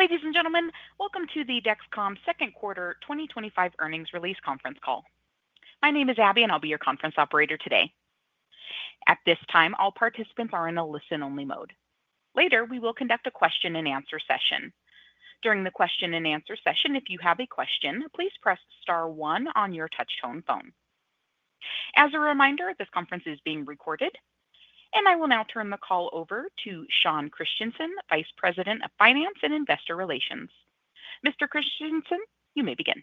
Ladies and gentlemen, welcome to the Dexcom Second Quarter 2025 Earnings Release Conference Call. My name is Abby and I'll be your conference operator. Today. At this time, all participants are in a listen only mode. Later, we will conduct a question and answer session. During the question and answer session, if you have a question, please press star one on your touchtone phone. As a reminder, this conference is being recorded and I will now turn the call over to Sean Christensen, Vice President of Finance and Investor Relations. Mr. Christiansen, you may begin.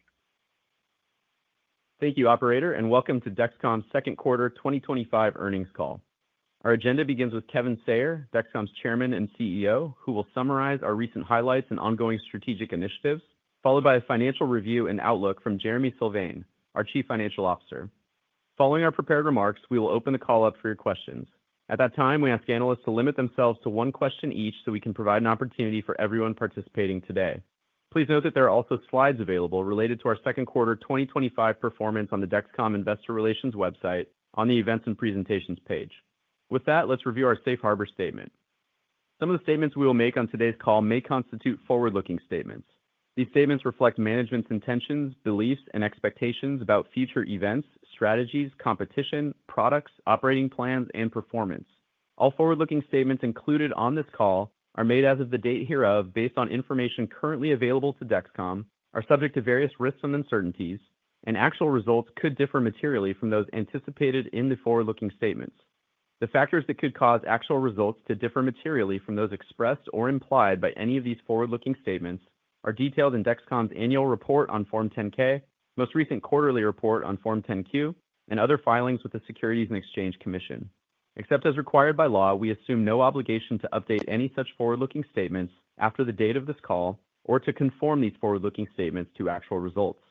Thank you, Operator, and welcome to Dexcom's second quarter 2025 earnings call. Our agenda begins with Kevin Sayer, Dexcom's Chairman and CEO, who will summarize our recent highlights and ongoing strategic initiatives, followed by a financial review and outlook from Jereme Sylvain, our Chief Financial Officer. Following our prepared remarks, we will open the call up for your questions. At that time, we ask analysts to limit themselves to one question each so we can provide an opportunity for everyone participating today. Please note that there are also slides. Available related to our second quarter 2025 performance on the Dexcom Investor Relations website on the Events and Presentations page. With that, let's review our Safe Harbor Statement. Some of the statements we will make on today's call may constitute forward looking statements. These statements reflect management's intentions, beliefs, and expectations about future events, strategies, competition, products, operating plans, and performance. All forward looking statements included on this call are made as of the date hereof based on information currently available to Dexcom, are subject to various risks and uncertainties, and actual results could differ materially from those anticipated in the forward looking statements. The factors that could cause actual results to differ materially from those expressed or implied by any of these forward looking statements are detailed in Dexcom's Annual Report on Form 10-K, most recent Quarterly Report on Form 10-Q, and other filings with the Securities and Exchange Commission. Except as required by law, we assume no obligation to update any such forward looking statements after the date of this call or to conform these forward looking statements to actual results.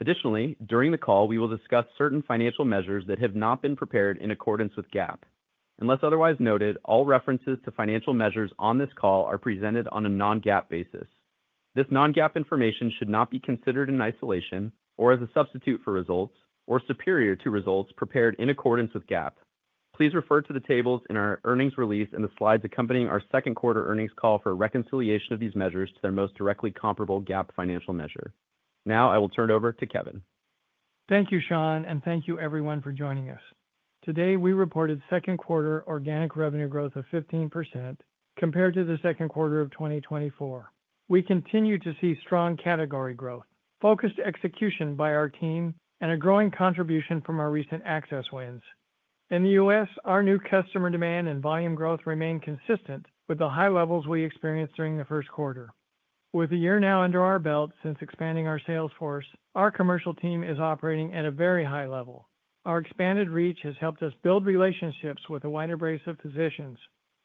Additionally, during the call we will discuss certain financial measures that have not been prepared in accordance with GAAP. Unless otherwise noted, all references to financial measures on this call are presented on a non-GAAP basis. This non-GAAP information should not be considered in isolation or as a substitute for results or superior to results prepared in accordance with GAAP. Please refer to the tables in our earnings release and the slides accompanying our second quarter earnings call for a reconciliation of these measures to their most directly comparable GAAP financial measure. Now I will turn it over to Kevin. Thank you, Sean, and thank you everyone for joining us today. We reported second quarter organic revenue growth of 15% compared to the second quarter of 2024. We continue to see strong category growth, focused execution by our team, and a growing contribution from our recent access wins in the U.S. Our new customer demand and volume growth remain consistent with the high levels we experienced during the first quarter. With a year now under our belt since expanding our sales force, our commercial team is operating at a very high level. Our expanded reach has helped us build relationships with a wider base of physicians,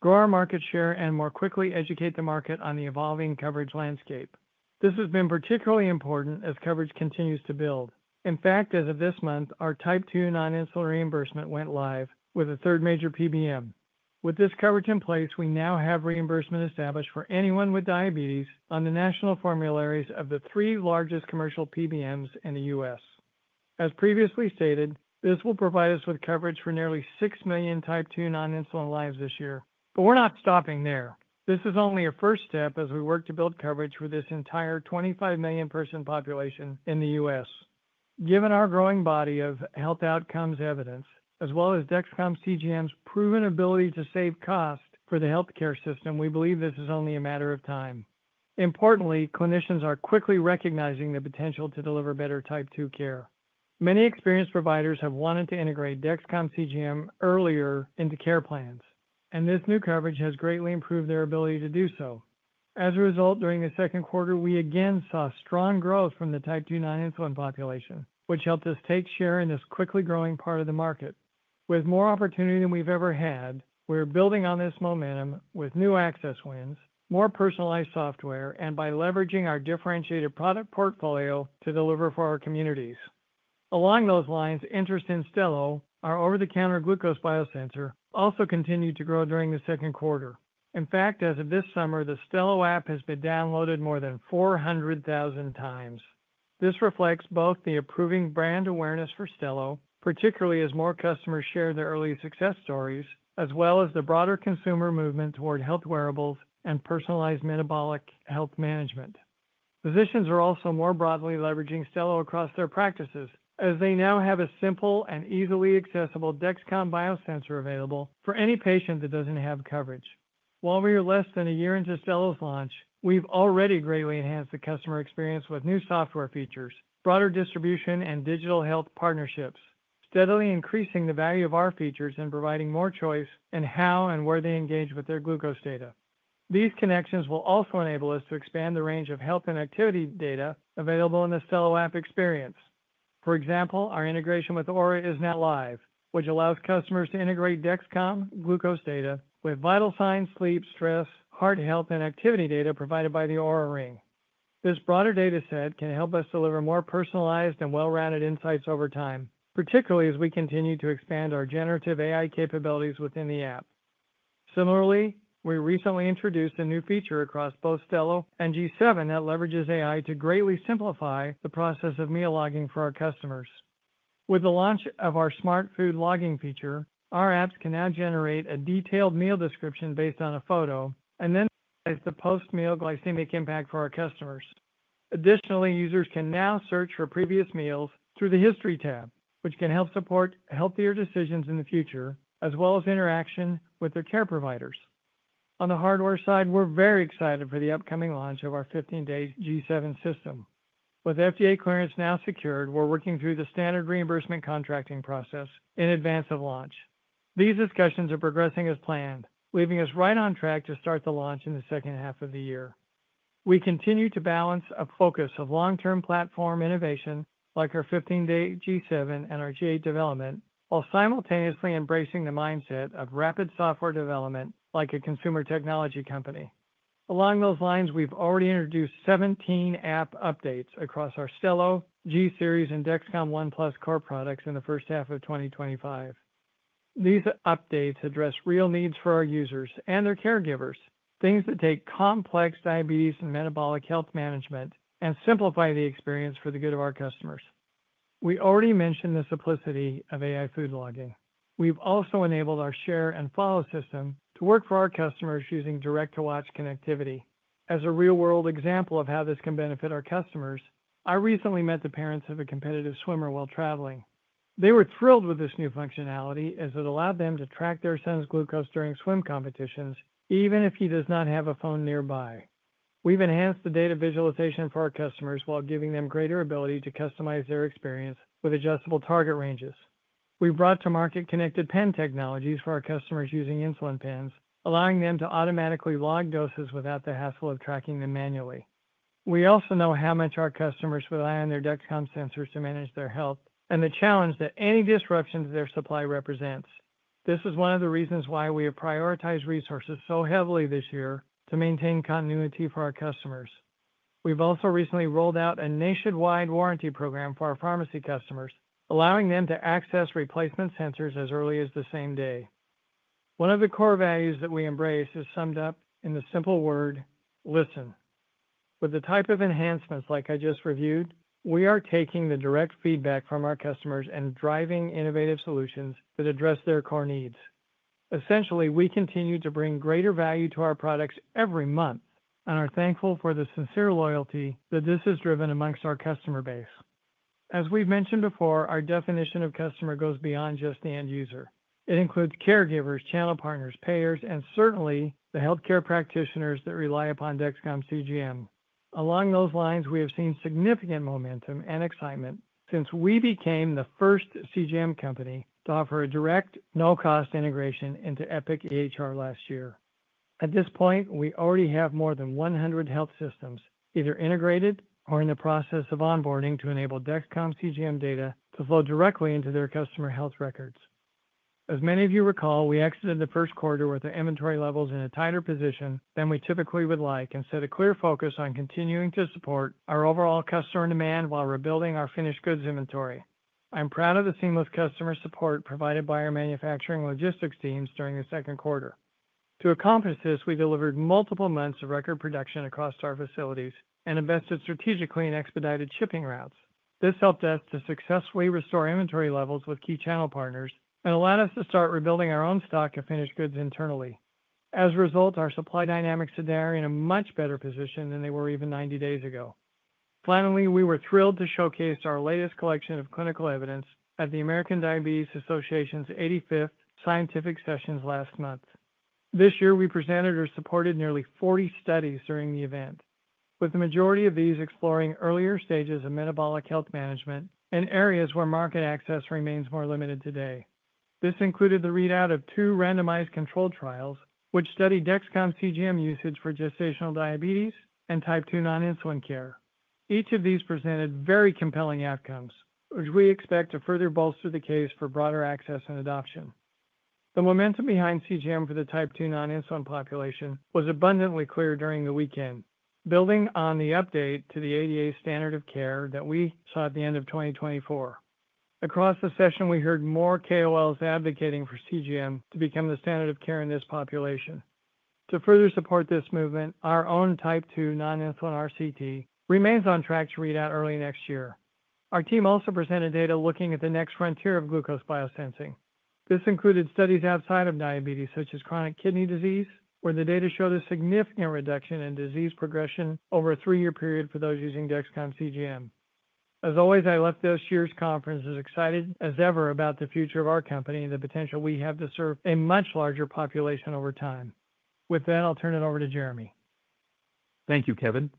grow our market share, and more quickly educate the market on the evolving coverage landscape. This has been particularly important as coverage continues to build. In fact, as of this month, our type 2 non-insulin reimbursement went live with a third major PBM. With this coverage in place, we now have reimbursement established for anyone with diabetes on the national formularies of the three largest commercial PBMs in the U.S. As previously stated, this will provide us with coverage for nearly 6 million type 2 non-insulin lives this year. We are not stopping there. This is only a first step as we work to build coverage for this entire 25 million person population in the U.S. Given our growing body of health outcomes evidence as well as Dexcom CGM's proven ability to save cost for the healthcare system, we believe this is only a matter of time. Importantly, clinicians are quickly recognizing the potential to deliver better type 2 care. Many experienced providers have wanted to integrate Dexcom CGM earlier into care plans, and this new coverage has greatly improved their ability to do so. As a result, during the second quarter, we again saw strong growth from the type 2 non-insulin population, which helped us take share in this quickly growing part of the market. With more opportunity than we've ever had, we are building on this momentum with new access wins, more personalized software, and by leveraging our differentiated product portfolio to deliver for our communities. Along those lines, interest in Stelo, our over-the-counter glucose biosensor, also continued to grow during the second quarter. In fact, as of this summer, the Stelo app has been downloaded more than 400,000 times. This reflects both the improving brand awareness for Stelo, particularly as more customers share their early success stories, as well as the broader consumer movement toward health wearables and personalized metabolic health management. Physicians are also more broadly leveraging Stelo across their practices as they now have a simple and easily accessible Dexcom biosensor available for any patient that does not have coverage. While we are less than a year into Stelo's launch, we have already greatly enhanced the customer experience with new software features, broader distribution and digital health partnerships, steadily increasing the value of our features and providing more choice in how and where they engage with their glucose data. These connections will also enable us to expand the range of health and activity data available in the Stelo app experience. For example, our integration with Oura is now live, which allows customers to integrate Dexcom glucose data with vital signs, sleep, stress, heart health and activity data provided by the Oura Ring. This broader data set can help us deliver more personalized and well-rounded insights over time, particularly as we continue to expand our Generative AI capabilities within the app. Similarly, we recently introduced a new feature across both Stelo and G7 that leverages AI to greatly simplify the process of meal logging for our customers. With the launch of our Smart Food Logging feature, our apps can now generate a detailed meal description based on a photo and then the post-meal glycemic impact for our customers. Additionally, users can now search for previous meals through the History tab which can help support healthier decisions in the future as well as interaction with their care providers. On the hardware side, we are very excited for the upcoming launch of our 15-day G7 system. With FDA clearance now secured, we are working through the standard reimbursement contracting process in advance of launch. These discussions are progressing as planned, leaving us right on track to start the launch in the second half of the year. We continue to balance a focus of long-term platform innovation like our 15-day G7 and our G8 development while simultaneously embracing the mindset of rapid software development like a consumer technology company. Along those lines, we have already introduced 17 app updates across our Stelo, G Series and Dexcom ONE+ core products in the first half of 2025. These updates address real needs for our users and their caregivers, things that take complex diabetes and metabolic health management, and simplify the experience for the good of our customers. We already mentioned the simplicity of AI food logging. We have also enabled our Share and Follow system to work for our customers using Direct-to-Watch connectivity as a real world example of how this can benefit our customers. I recently met the parents of a competitive swimmer while traveling. They were thrilled with this new functionality as it allowed them to track their son's glucose during swim competitions even if he does not have a phone nearby. We have enhanced the data visualization for our customers while giving them greater ability to customize their experience with adjustable target ranges. We brought to market Connected Pen technologies for our customers using insulin pens, allowing them to automatically log doses without the hassle of tracking them manually. We also know how much our customers rely on their Dexcom sensors to manage their health and the challenge that any disruption to their supply represents. This is one of the reasons why we have prioritized resources so heavily this year to maintain continuity for our customers. We have also recently rolled out a nationwide warranty program for our pharmacy customers, allowing them to access replacement sensors as early as the same day. One of the core values that we embrace is summed up in the simple word listen. With the type of enhancements like I just reviewed, we are taking the direct feedback from our customers and driving innovative solutions that address their core needs. Essentially, we continue to bring greater value to our products every month and are thankful for the sincere loyalty that this has driven amongst our customer base. As we have mentioned before, our definition of customer goes beyond just the end user. It includes caregivers, channel partners, payers, and certainly the healthcare practitioners that rely upon Dexcom CGM. Along those lines, we have seen significant momentum and excitement since we became the first CGM company to offer a direct no cost integration into Epic EHR last year. At this point, we already have more than 100 health systems either integrated or in the process of onboarding to enable Dexcom CGM data to flow directly into their customer health records. As many of you recall, we exited the first quarter with the inventory levels in a tighter position than we typically would like and set a clear focus on continuing to support our overall customer demand while rebuilding our finished goods inventory. I'm proud of the seamless customer support provided by our manufacturing logistics teams during the second quarter. To accomplish this, we delivered multiple months of record production across our facilities and invested strategically in expedited shipping routes. This helped us to successfully restore inventory levels with key channel partners and allowed us to start rebuilding our own stock of finished goods internally. As a result, our supply dynamics today are in a much better position than they were even 90 days ago. Finally, we were thrilled to showcase our latest collection of clinical evidence at the American Diabetes Association's 85th Scientific Sessions last month. This year we presented or supported nearly 40 studies during the event, with the majority of these exploring earlier stages of metabolic health management and areas where market access remains more limited today. This included the readout of two randomized controlled trials which studied Dexcom CGM usage for gestational diabetes and type 2 non-insulin care. Each of these presented very compelling outcomes which we expect to further bolster the case for broader access and adoption. The momentum behind CGM for the type 2 non-insulin population was abundantly clear during the weekend, building on the update to the ADA Standard of Care that we saw at the end of 2024. Across the session we heard more KOLs advocating for CGM to become the standard of care in this population. To further support this movement, our own type 2 non-insulin RCT remains on track to read out early next year. Our team also presented data looking at the next frontier of glucose biosensing. This included studies outside of diabetes such as chronic kidney disease, where the data showed a significant reduction in disease progression over a three year period for those using Dexcom CGM. As always, I left this year's conference as excited as ever about the future of our company and the potential we have to serve a much larger population over time. With that, I'll turn it over to Jereme. Thank you, Kevin.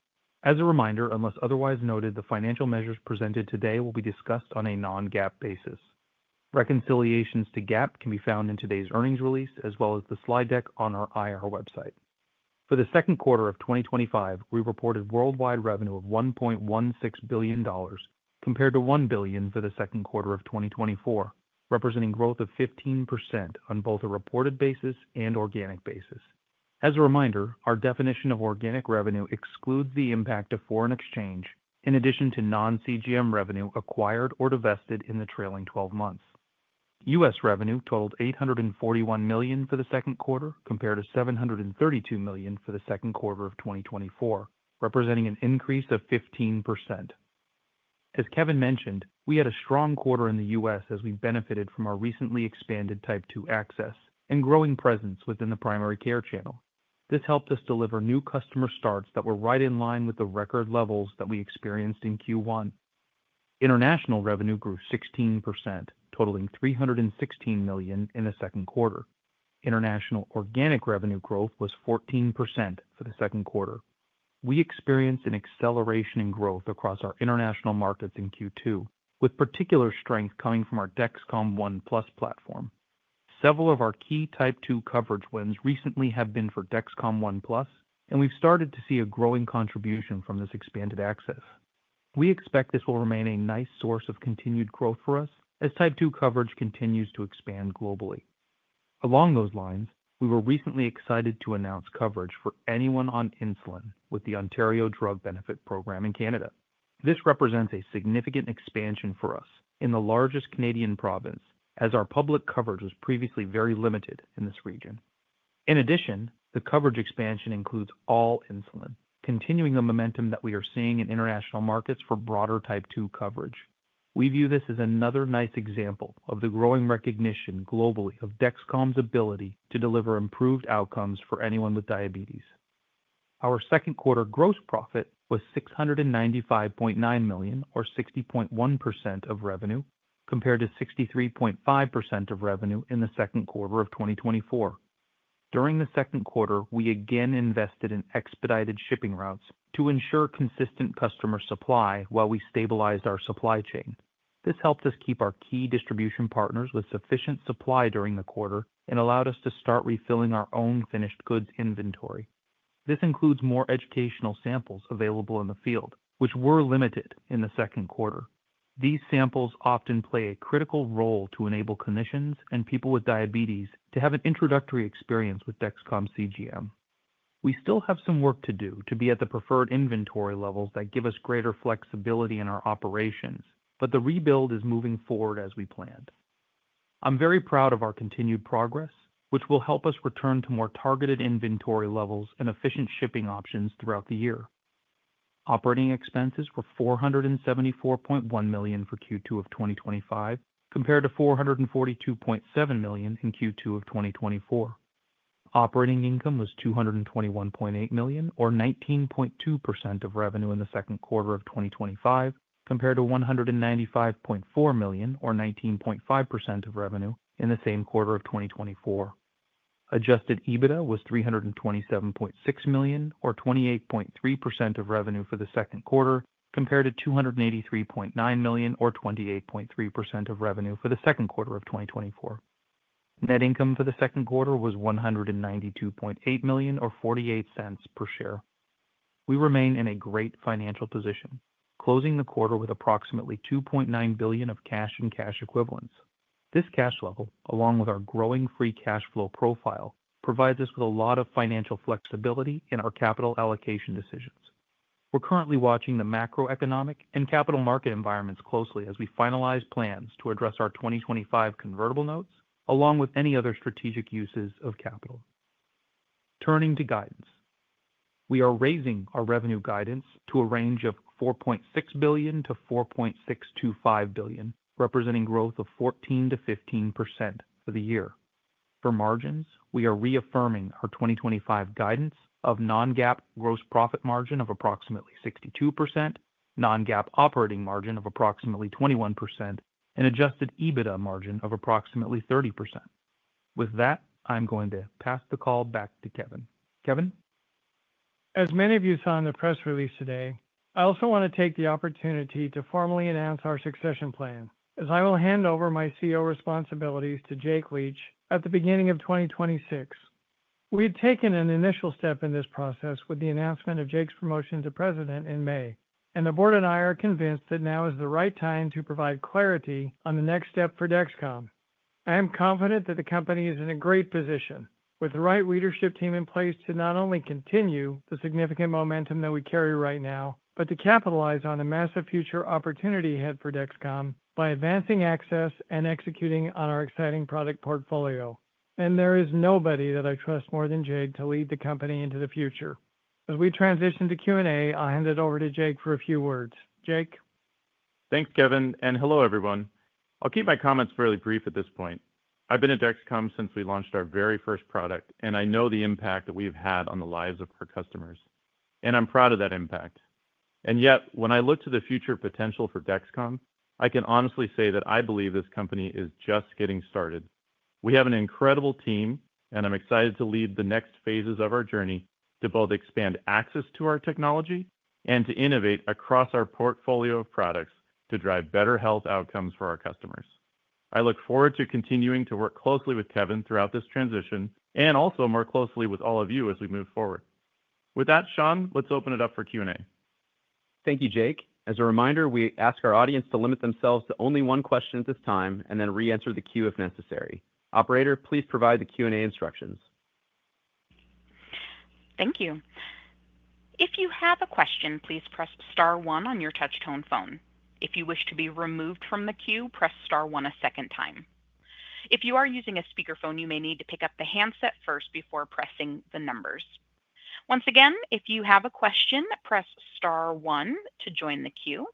As a reminder, unless otherwise noted, the financial measures presented today will be discussed on a non-GAAP basis. Reconciliations to GAAP can be found in today's earnings release as well as the slide deck on our IR website. For the second quarter of 2025, we reported worldwide revenue of $1.16 billion compared to $1 billion for the second quarter of 2024, representing growth of 15% on both a reported basis and organic basis. As a reminder, our definition of organic revenue excludes the impact of foreign exchange in addition to non-CGM revenue acquired or divested in the trailing 12 months. U.S. revenue totaled $841 million for the second quarter compared to $732 million for the second quarter of 2024, representing an increase of 15%. As Kevin mentioned, we had a strong quarter in the U.S. as we benefited from our recently expanded type 2 access and growing presence within the primary care channel. This helped us deliver new customer starts that were right in line with the record levels that we experienced in Q1. International revenue grew 16%, totaling $316 million in the second quarter. International organic revenue growth was 14% for the second quarter. We experienced an acceleration in growth across our international markets in Q2, with particular strength coming from our Dexcom ONE+ platform. Several of our key type 2 coverage wins recently have been for Dexcom ONE+, and we've started to see a growing contribution from this expanded access. We expect this will remain a nice source of continued growth for us as type 2 coverage continues to expand globally. Along those lines, we were recently excited to announce coverage for anyone on insulin with the Ontario Drug Benefit Program in Canada. This represents a significant expansion for us in the largest Canadian province as our public coverage was previously very limited in this region. In addition, the coverage expansion includes all insulin, continuing the momentum that we are seeing in international markets for broader type 2 coverage. We view this as another nice example of the growing recognition globally of Dexcom's ability to deliver improved outcomes for anyone with diabetes. Our second quarter gross profit was $695.9 million or 60.1% of revenue, compared to 63.5% of revenue in the second quarter of 2024. During the second quarter, we again invested in expedited shipping routes to ensure consistent customer supply while we stabilized our supply chain. This helped us keep our key distribution partners with sufficient supply during the quarter and allowed us to start refilling our own finished goods inventory. This includes more educational samples available in the field which were limited in the second quarter. These samples often play a critical role to enable clinicians and people with diabetes to have an introductory experience with Dexcom CGM. We still have some work to do to be at the preferred inventory levels that give us greater flexibility in our operations, but the rebuild is moving forward as we planned. I'm very proud of our continued progress which will help us return to more targeted inventory levels and efficient shipping options throughout the year. Operating expenses were $474.1 million for Q2 of 2025 compared to $442.7 million in Q2 of 2024. Operating income was $221.8 million, or 19.2% of revenue in the second quarter of 2025 compared to $195.4 million or 19.5% of revenue in the same quarter of 2024. Adjusted EBITDA was $327.6 million, or 28.3% of revenue for the second quarter compared to $283.9 million or 28.3% of revenue for the second quarter of 2024. Net income for the second quarter was $192.8 million or $0.48 per share. We remain in a great financial position, closing the quarter with approximately $2.9 billion of cash and cash equivalents. This cash level, along with our growing free cash flow profile, provides us with a lot of financial flexibility in our capital allocation decisions. We're currently watching the macroeconomic and capital market environments closely as we finalize plans to address our 2025 convertible notes along with any other strategic uses of capital. Turning to guidance, we are raising our revenue guidance to a range of $4.6 billion-$4.625 billion, representing growth of 14%-15% for the year. For margins, we are reaffirming our 2025 guidance of non-GAAP gross profit margin of approximately 62%, non-GAAP operating margin of approximately 21%, and adjusted EBITDA margin of approximately 30%. With that, I'm going to pass the call back to Kevin. Kevin. As many of you saw in the press release today, I also want to take the opportunity to formally announce our succession plan as I will hand over my CEO responsibilities to Jake Leach at the beginning of 2026. We had taken an initial step in this process with the announcement of Jake's promotion to President in May, and the board and I are convinced that now is the right time to provide clarity on the next step for Dexcom. I am confident that the company is in a great position with the right leadership team in place to not only continue the significant momentum that we carry right now, but to capitalize on a massive future opportunity ahead for Dexcom by advancing access and executing on our exciting product portfolio. There is nobody that I trust more than Jake to lead the company into the future as we transition to Q&A. I'll hand it over to Jake for a few words. Jake. Thanks, Kevin, and hello everyone. I'll keep my comments fairly brief at this point. I've been at Dexcom since we launched our very first product, and I know the impact that we've had on the lives of our customers, and I'm proud of that impact. Yet, when I look to the future potential for Dexcom, I can honestly say that I believe this company is just getting started. We have an incredible team and I'm excited to lead the next phases of our journey to both expand access to our technology and to innovate across our portfolio of products to drive better health outcomes for our customers. I look forward to continuing to work closely with Kevin throughout this transition and also more closely with all of you as we move forward with that. Sean, let's open it up for Q&A. Thank you, Jake. As a reminder, we ask our audience to limit themselves to only one question at this time and then reenter the queue if necessary. Operator, please provide the Q&A instructions. Thank you. If you have a question, please press Star one on your touchtone phone. If you wish to be removed from the queue, press Star one a second time. If you are using a speakerphone, you may need to pick up the handset first before pressing the numbers once again. If you have a question, press Star one to join the queue.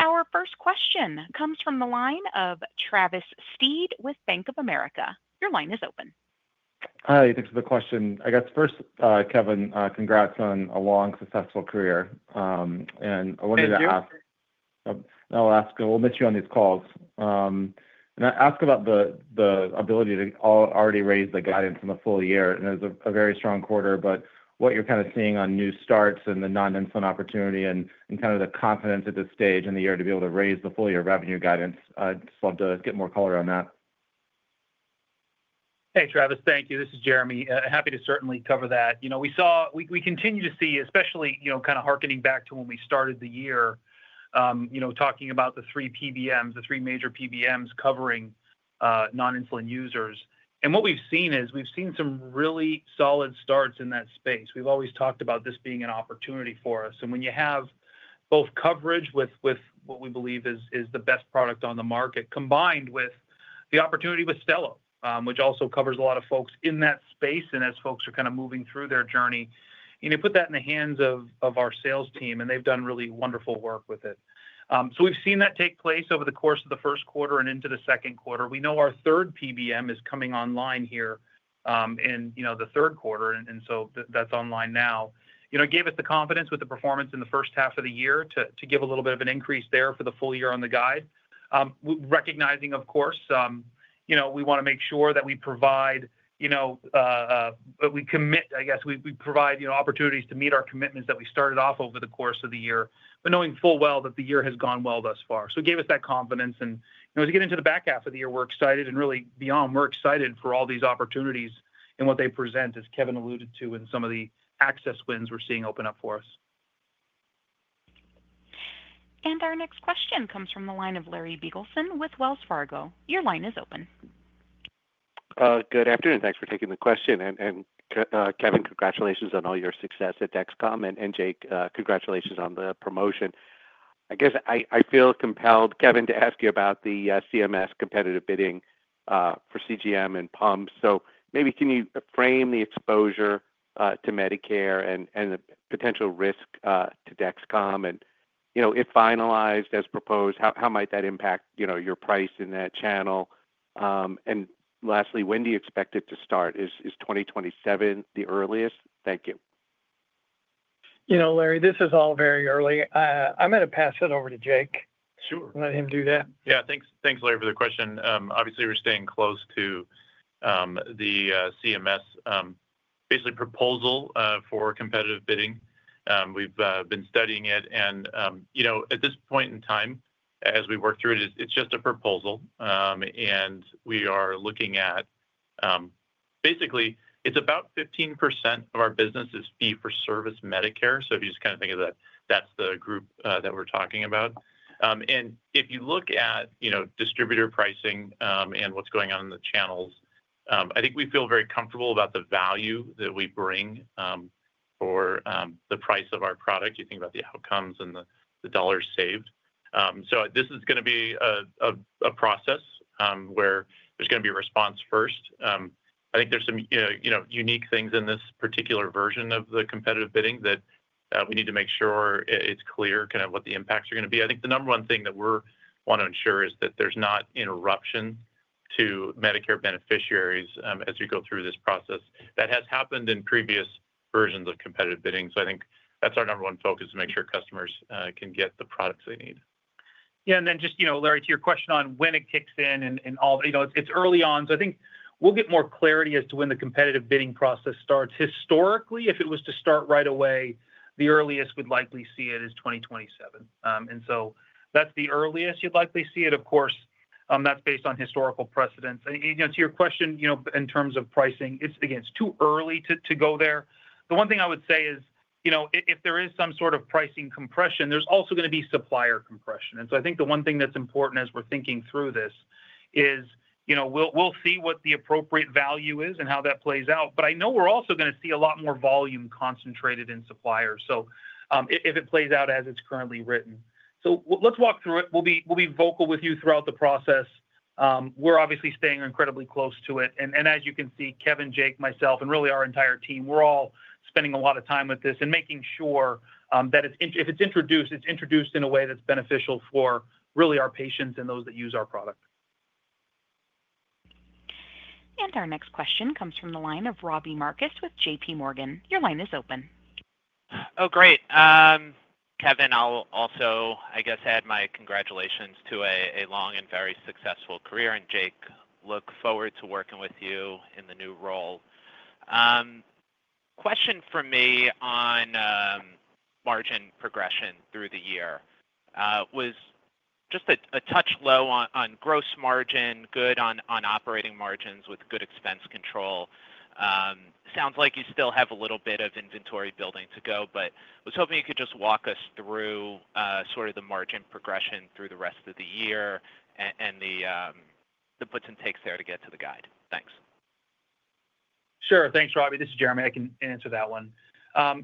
Our first question comes from the line of Travis Steed with Bank of America. Your line is open. Hi. Thanks for the question, I guess. First, Kevin, congrats on a long, successful career. I wanted to ask. I'll ask. We'll miss you on these calls. Ask about the ability to already raise the guidance in the full year. It was a very strong quarter. What you're kind of seeing on new starts and the non-insulin opportunity. Kind of the confidence at this stage in the year to be able to raise the full year revenue guidance, I just love to get more color on that. Hey, Travis, thank you. This is Jereme. Happy to certainly cover that. You know, we saw, we continue to see especially, you know, kind of harkening back to when we started the year, you know, talking about the three PBMs, the three major PBMs covering non-insulin users. And what we've seen is we've seen some really solid starts in that space. We've always talked about this being an opportunity for us. When you have both coverage with what we believe is the best product on the market, combined with the opportunity with Stelo, which also covers a lot of folks in that space. As folks are kind of moving through their journey and put that in the hands of our sales team and they've done really wonderful work with it. We have seen that take place over the course of the first quarter and into the second quarter. We know our third PBM is coming online here in the third quarter, and that is online now, gave us the confidence with the performance in the first half of the year to give a little bit of an increase there for the full year on the guide. Recognizing, of course, we want to make sure that we provide, you know, we commit, I guess we provide, you know, opportunities to meet our commitments that we started off over the course of the year, but knowing full well that the year has gone well thus far. It gave us that confidence. As we get into the back half of the year, we're excited and really beyond. We're excited for all these opportunities and what they present, as Kevin alluded to. Some of the access wins we're seeing open up for us. Our next question comes from the line of Larry Beagleson with Wells Fargo. Your line is open. Good afternoon. Thanks for taking the question. Kevin, congratulations on all your success at Dexcom. Jake, congratulations on the promotion. I guess I feel compelled, Kevin, to ask you about the CMS competitive bidding for CGM and pumps. So maybe can you frame the exposure to Medicare and the potential risk to Dexcom, and if finalized as proposed, how might that impact, you know, your price in that channel? Lastly, when do you expect it to start? Is 2027 the earliest? Thank you. You know, Larry, this is all very early. I'm going to pass it over to Jake. Sure, let him do that. Yeah, thanks. Thanks, Larry, for the question. Obviously, we're staying close to the CMS basically proposal for competitive bidding. We've been studying it and, you know, at this point in time, as we work through it, it's just a proposal and we are looking at, basically, it's about 15% of our business is fee for service, Medicare. If you just kind of think of that, that's the group that we're talking about. If you look at distributor pricing and what's going on in the channels, I think we feel very comfortable about the value that we bring for the price of our product. You think about the outcomes and the dollars saved. This is going to be a process where there's going to be a response first. I think there's some, you know, unique things in this particular version of the competitive bidding that we need to make sure it's clear kind of what the impacts are going to be. I think the number one thing that we want to ensure is that there's not interruption to Medicare beneficiaries as you go through this process that has happened in previous versions of competitive bidding. I think that's our number one focus. To make sure customers can get the products they need. Yeah. Just, you know, Larry, to your question on when it kicks in and all, you know, it's early on. I think we'll get more clarity as to when the competitive bidding process starts. Historically, if it was to start right away, the earliest we would likely see it is 2027. That's the earliest you'd likely see it. Of course, that's based on historical precedents. To your question, in terms of pricing, again, it's too early to go there. The one thing I would say is if there is some sort of pricing compression, there's also going to be supplier compression. I think the one thing that's important as we're thinking through this is we'll see what the appropriate value is and how that plays out. I know we're also going to see a lot more volume concentrated in suppliers if it plays out as it's currently written. Let's walk through it. We'll be vocal with you throughout the process, we're obviously staying incredibly close to it. As you can see, Kevin, Jake, myself and really our entire team, we're all spending a lot of time with this and making sure that if it's introduced, it's introduced in a way that's beneficial for really our patients and those that use our product. Our next question comes from the line of Robbie Marcus with JPMorgan. Your line is open. Oh, great, Kevin. I'll also, I guess, add my congratulations to a long and very successful career. Jake, look forward to working with you in the new role. Question for me on margin progression through the year was just a touch low on gross margin, good on operating margins with good expense control. Sounds like you still have a little bit of inventory building to go. Was hoping you could just walk us through sort of the margin progression through the rest of the year and the puts and takes there to get to the guide. Thanks. Sure. Thanks. Robbie, this is Jereme. I can answer that one.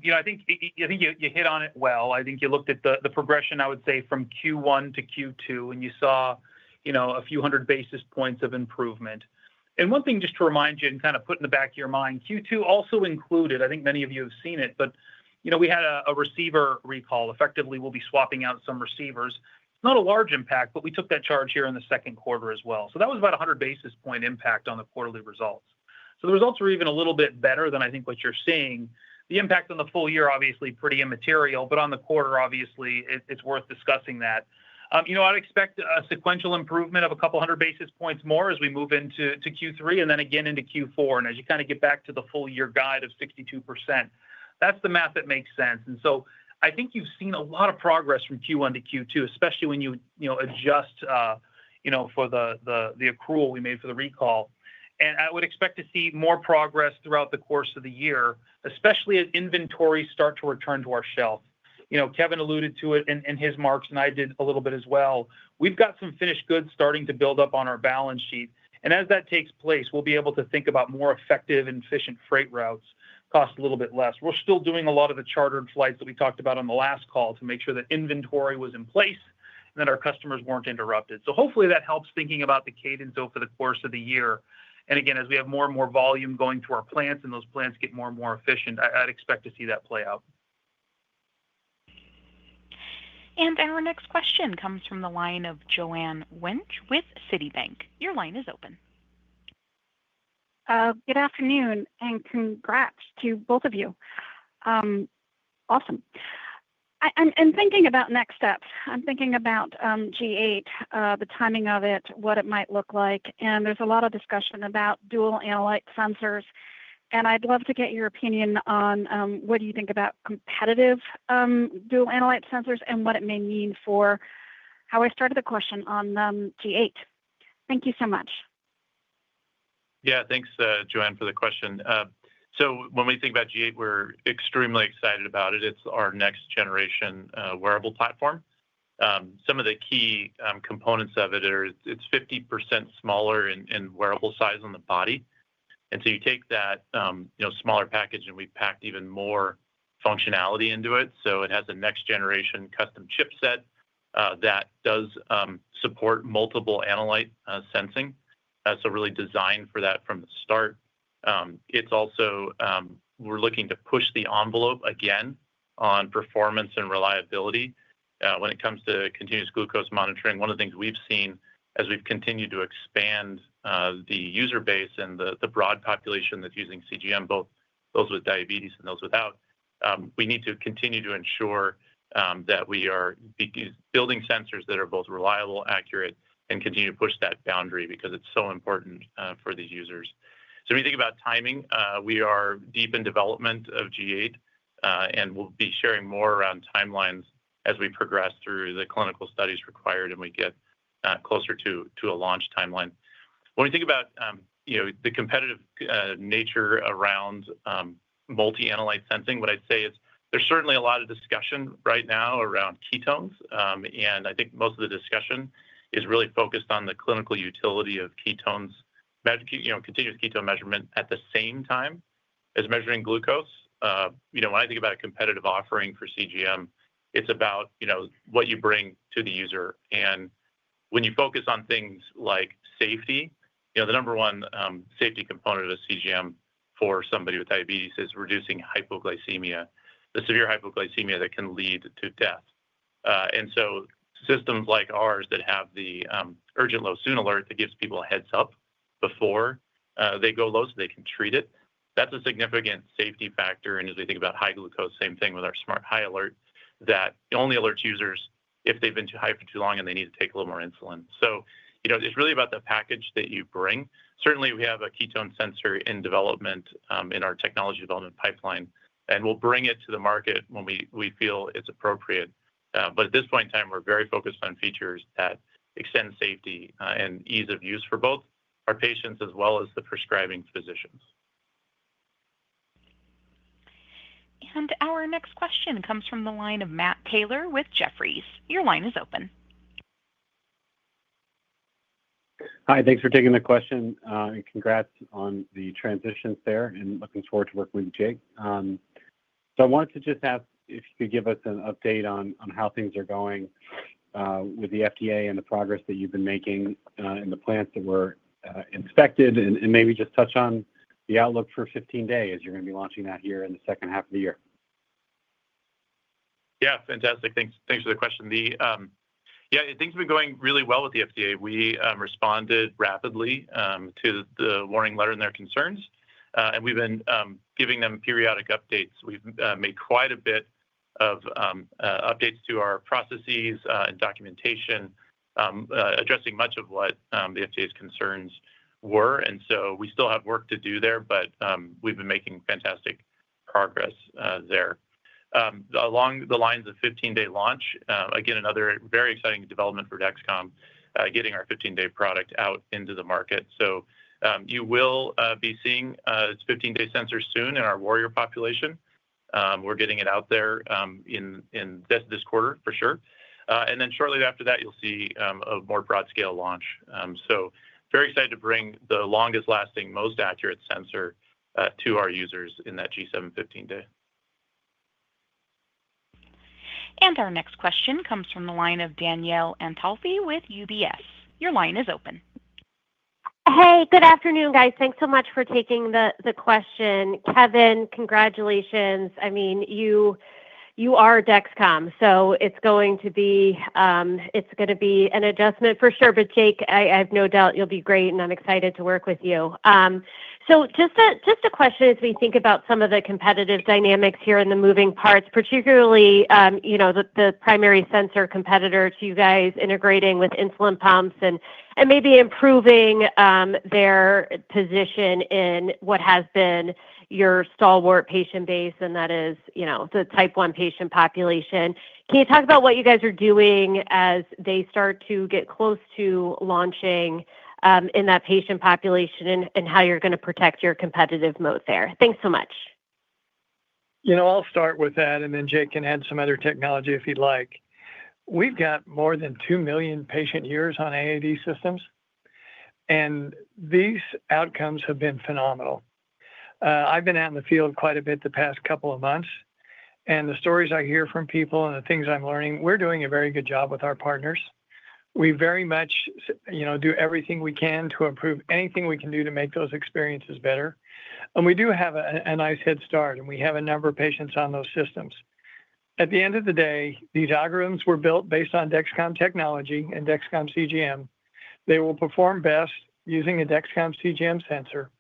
You know, I think you hit on it. You looked at the progression, I would say, from Q1 to Q2 and you saw, you know, a few hundred basis points of improvement. One thing just to remind you and kind of put in the back of your mind, Q2 also included, I think many of you have seen it, but, you know, we had a receiver recall. Effectively we'll be swapping out some receivers. Not a large impact, but we took that charge here in the second quarter as well. That was about 100 basis point impact on the quarterly results. The results are even a little bit better than I think what you're seeing. The impact on the full year, obviously pretty immaterial, but on the quarter, obviously it's worth discussing that, you know, I'd expect a sequential improvement of a couple hundred basis points more as we move into Q3 and then again into Q4 and as you kind of get back to the full year guide of 62%, that's the math that makes sense. I think you've seen a lot of progress from Q1 to Q2, especially when you adjust for the accrual we made for the recall. I would expect to see more progress throughout the course of the year, especially as inventories start to return to our shelf. Kevin alluded to it in his marks and I did a little bit as well. We've got some finished goods starting to build up on our balance sheet and as that takes place, we'll be able to think about more effective and efficient freight routes cost a little bit less. We're still doing a lot of the chartered flights that we talked about on the last call to make sure that inventory was in place and that our customers were not interrupted. Hopefully that helps. Thinking about the cadence over the course of the year. Again, as we have more and more volume going to our plants and those plants get more and more efficient, I'd expect to see that play out. Our next question comes from the line of Joanne Winch with Citibank. Your line is open. Good afternoon and congrats to both of you. Awesome. I'm thinking about next steps. I'm thinking about G8, the timing of it, what it might look like, and there's a lot of discussion about dual-analyte sensors and I'd love to get your opinion on what do you think about competitive dual-analyte sensors and what it may mean for how I started the question on G8. Thank you so much. Yeah, thanks, Joanne, for the question. When we think about G8, we're extremely excited about it. It's our next generation wearable platform. Some of the key components of it are it's 50% smaller in wearable size on the body. You take that smaller package and we packed even more functionality into it. It has a next generation custom chipset that does support multiple-analyte sensing, so really designed for that from the start. We're looking to push the envelope again on performance and reliability when it comes to continuous glucose monitoring. One of the things we've seen as we've continued to expand the user base and the broad population that's using CGM, both those with diabetes and those without, is we need to continue to ensure that we are building sensors that are both reliable, accurate, and continue to push that boundary because it's so important for these users. When you think about timing, we are deep in development of G8 and we'll be sharing more around timelines as we progress through the clinical studies required and we get closer to a launch timeline. When we think about the competitive nature around multi-analyte sensing, what I'd say is there's certainly a lot of discussion right now around ketones. I think most of the discussion is really focused on the clinical utility of ketones, you know, continuous ketone measurement at the same time as measuring glucose. When I think about a competitive offering for CGM, it's about what you bring to the user and when you focus on things like safety, the number one safety component of a CGM for somebody with diabetes is reducing hypoglycemia, the severe hypoglycemia that can lead to death. Systems like ours that have the urgent low soon alert, that gives people a heads up before they go low so they can treat it, that's a significant safety factor. As we think about high glucose, same thing with our smart high alert that only alerts users if they've been too high for too long and they need to take a little more insulin. It's really about the package that you bring. Certainly we have a ketone sensor in development in our technology development pipeline and we'll bring it to the market when we feel it's appropriate. At this point in time, we're very focused on features that extend safety and ease of use for both our patients as well as the prescribing physicians. Our next question comes from the line of Matt Taylor with Jefferies. Your line is open. Hi, thanks for taking the question and congrats on the transitions there and looking forward to working with Jake. I wanted to just ask if you could give us an update on how things are going with the FDA and the progress that you've been making in the plants that were inspected and maybe just touch on the outlook for 15-days. You're going to be launching that here in the second half of the year. Yeah, fantastic. Thanks. Thanks for the question. Yeah, things have been going really well with the FDA. We responded rapidly to the warning letter and their concerns and we've been giving them periodic updates. We've made quite a bit of updates to our processes and documentation addressing much of what the FDA's concerns were. We still have work to do there, but we've been making fantastic progress there along the lines of 15-day launch. Again, another very exciting development for Dexcom, getting our 15-day product out into the market. You will be seeing 15-day sensors soon in our warrior population. We're getting it out there in this quarter for sure. Shortly after that you'll see a more broad scale launch. Very excited to bring the longest lasting, most accurate sensor to our users in that G7 15-day. Our next question comes from the line of Danielle Antalffy with UBS. Your line is open. Hey, good afternoon guys. Thanks so much for taking the question. Kevin, congratulations. I mean you are Dexcom, so it's going to be, it's going to be an adjustment for sure. Jake, I have no doubt you'll be great and I'm excited to work with you. Just a question, as we think about some of the competitive dynamics here in the moving parts, particularly, you know, the primary sensor competitor to you guys integrating with insulin pumps and maybe improving their position in what has been your stalwart patient base, and that is, you know, the type 1 patient population. Can you talk about what you guys are doing as they start to get close to launching in that patient population and how you're going to protect your competitive moat there? Thanks so much. You know, I'll start with that and then Jake can add some other technology if you'd like. We've got more than 2 million patient years on AAD systems and these outcomes have been phenomenal. I've been out in the field quite a bit the past couple of months and the stories I hear from people and the things I'm learning, we're doing a very good job with our partners. We very much do everything we can to improve anything we can do to make those experiences better. We do have a nice head start and we have a number of patients on those systems. At the end of the day, these algorithms were built based on Dexcom technology and Dexcom CGM. They will perform best using a Dexcom CGM sensor.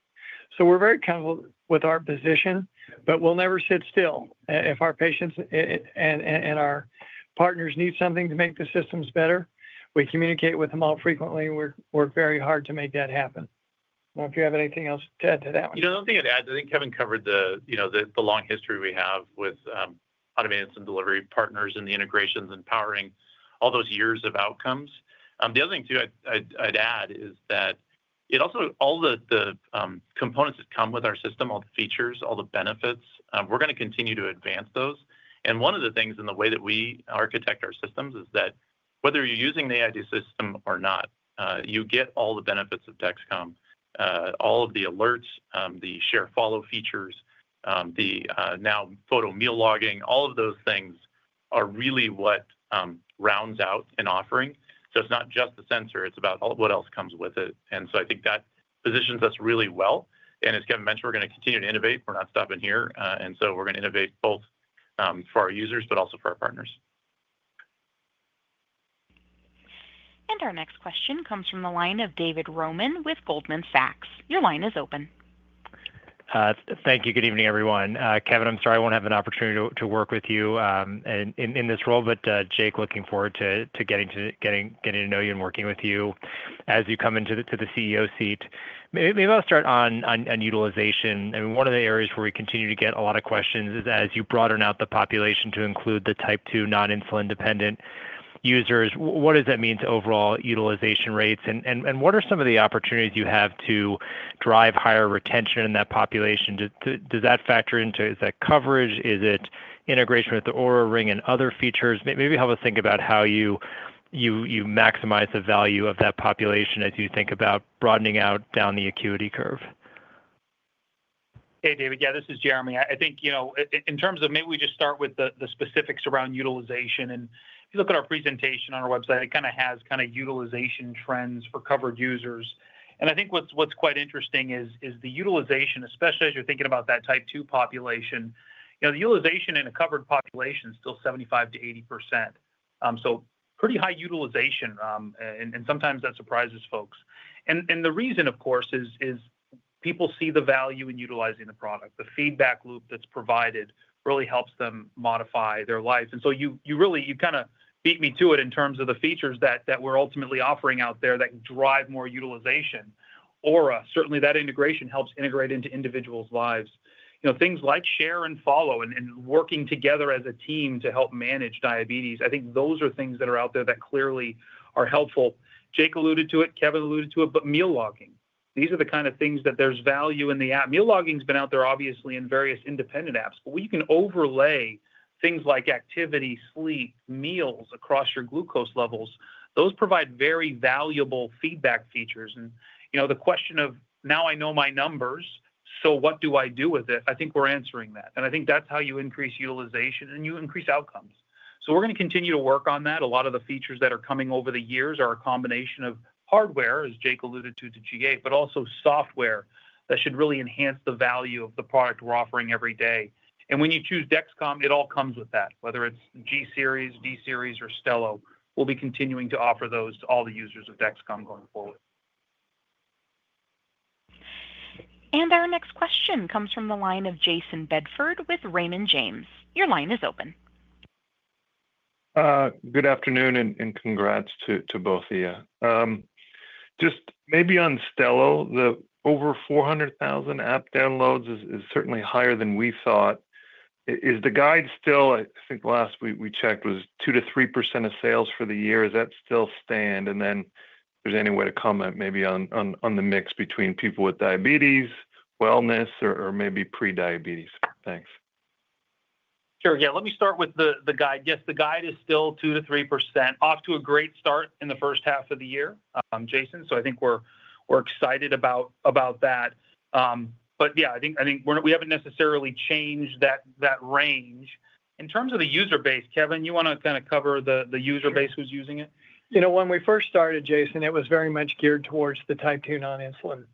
We are very comfortable with our position, but we'll never sit still. If our patients and our partners need something to make the systems better, we communicate with them all frequently. We work very hard to make that happen. If you have anything else to add to that one. You know, the only thing I'd add, I think Kevin covered the, you know, the long history we have with automated, some delivery partners and the integrations and powering all those years of outcomes. The other thing too I'd add is that it also all the components that come with our system, all the features, all the benefits, we're going to continue to advance those. One of the things in the way that we architect our systems is that whether you're using the aid system or not, you get all the benefits of Dexcom, all of the alerts, the Share Follow features, the now photo meal logging, all of those things are really what rounds out an offering. It's not just the sensor, it's about what else comes with it. I think that positions us really well. As Kevin mentioned, we're going to continue to innovate. We're not stopping here. We're going to innovate both for our users, but also for our partners. Our next question comes from the line of David Roman with Goldman Sachs. Your line is open. Thank you. Good evening everyone Kevin, I'm sorry I won't have an opportunity to work with you in this role. Jake, looking forward to getting to know you and working with you as you come into the CEO seat. Maybe I'll start on utilization. One of the areas where we continue to get a lot of questions is as you broaden out the population to include the type 2 non-insulin dependent users. What does that mean to overall utilization rates and what are some of? The opportunities you have to drive higher retention in that population? Does that factor into that coverage? Is it integration with the Oura Ring? Other features maybe help us think about how you maximize the value of that population as you think about broadening out down the acuity curve. Hey David. Yeah, this is Jereme. I think in terms of maybe we just start with the specifics around utilization and if you look at our presentation on our website, it kind of has utilization trends for covered users. I think what's quite interesting is the utilization, especially as you're thinking about that type 2 population, the utilization in a covered population is still 75%-80%. Pretty high utilization. Sometimes that surprises folks. The reason of course is people see the value in utilizing the product. The feedback loop that's provided really helps them modify their life. You kind of beat me to it in terms of the features that we're ultimately offering out there that drive more utilization. Oura, certainly that integration helps integrate into individuals' lives. You know, things like Share and Follow and working together as a team to help manage diabetes. I think those are things that are out there that clearly are helpful. Jake alluded to it, Kevin alluded to it, about meal logging, these are the kind of things that there's value in the app. Meal logging has been out there obviously in various independent apps, but we can overlay things like activity, sleep, meals across your glucose levels. Those provide very valuable feedback features. You know the question of now I know my numbers, so what do I do with it? I think we're answering that and I think that's how you increase utilization and you increase outcomes. We're going to continue to work on that. Alot of the features that are coming over the years are a combination of hardware, as Jake alluded to G8, but also software that should really enhance the value of the product we're offering every day. When you choose Dexcom, it all comes with that. Whether it's G-series, D-series, or Stelo, we'll be continuing to offer those to all the users of Dexcom going forward. Our next question comes from the line of Jayson Bedford with Raymond James. Your line is open. Good afternoon and congrats to both of you. Just maybe on Stelo, the over 400,000 App downloads is certainly higher than we thought. Is the guide still, I think, last week we checked was 2%-3% of sales for the year. Is that still stand? And then there's any way to comment maybe on the mix between people with diabetes, wellness or maybe prediabetes. Thanks. Sure. Yeah. Let me start with the guide. Yes, the guide is still 2%-3% off to a great start in the first half of the year. I think we're excited about that. Yeah, I think we haven't necessarily changed that range in terms of the user base. Kevin, you want to kind of COVID the user base who's using it. You know, when we first started, Jason, it was very much geared towards the type 2 non-insulin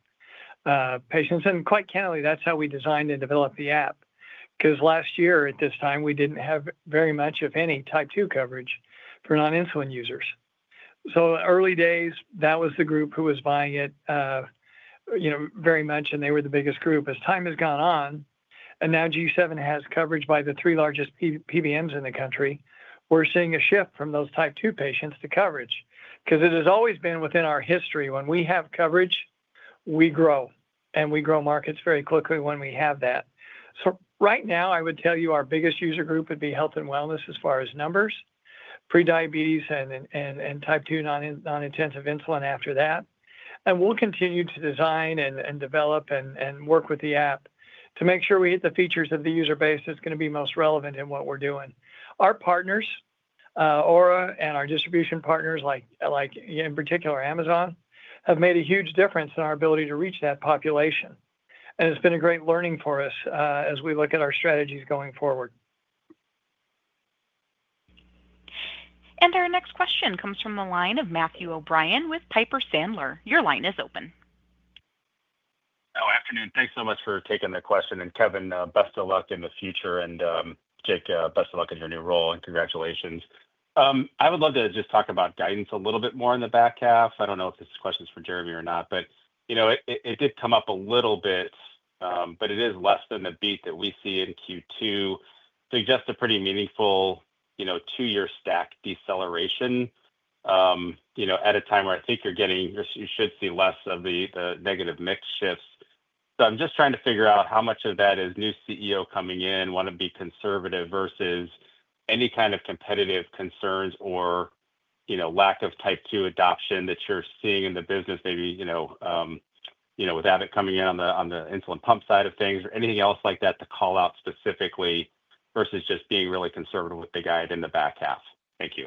patients. And quite candidly, that's how we designed and developed the app. Because last year at this time we did not have very much of any type 2 coverage for non-insulin users. Early days, that was the group who was buying it very much and they were the biggest group. As time has gone on and now G7 has coverage by the three largest PBMs in the country, we're seeing a shift from those type 2 patients to coverage because it has always been within our history when we have coverage, we grow and we grow markets very quickly when we have that. Right now I would tell you our biggest user group would be Health and Wellness as far as numbers, prediabetes and type 2 non intensive insulin after that. We will continue to design and develop and work with the app to make sure we hit the features of the user base that's going to be most relevant in what we're doing. Our partners, Oura, and our distribution partners, like in particular Amazon, have made a huge difference in our ability to reach that population. It has been a great learning for us as we look at our strategies going forward. Our next question comes from the line of Matthew O'Brien with Piper Sandler. Your line is open. Afternoon. Thanks so much for taking the question. Kevin, best of luck in the future. Jake, best of luck in your new role and congratulations. I would love to just talk about guidance a little bit more in the back half. I don't know if this question is for Jereme or not, but, you know, it did come up a little bit, but it is less than the beat that we see in Q2 suggests a pretty meaningful, you know, two year stack deceleration. You know, at a time where I think you're getting, you should see less of the negative mix shifts. I'm just trying to figure out how much of that is new CEO coming in. Want to be conservative versus any kind of competitive concerns or, you know, lack of type 2 adoption that you're seeing in the business. Maybe, you know, with Abbott coming in on the insulin pump side of things or anything else? Like that to call out specifically versus just being really conservative with the guide in the back half. Thank you.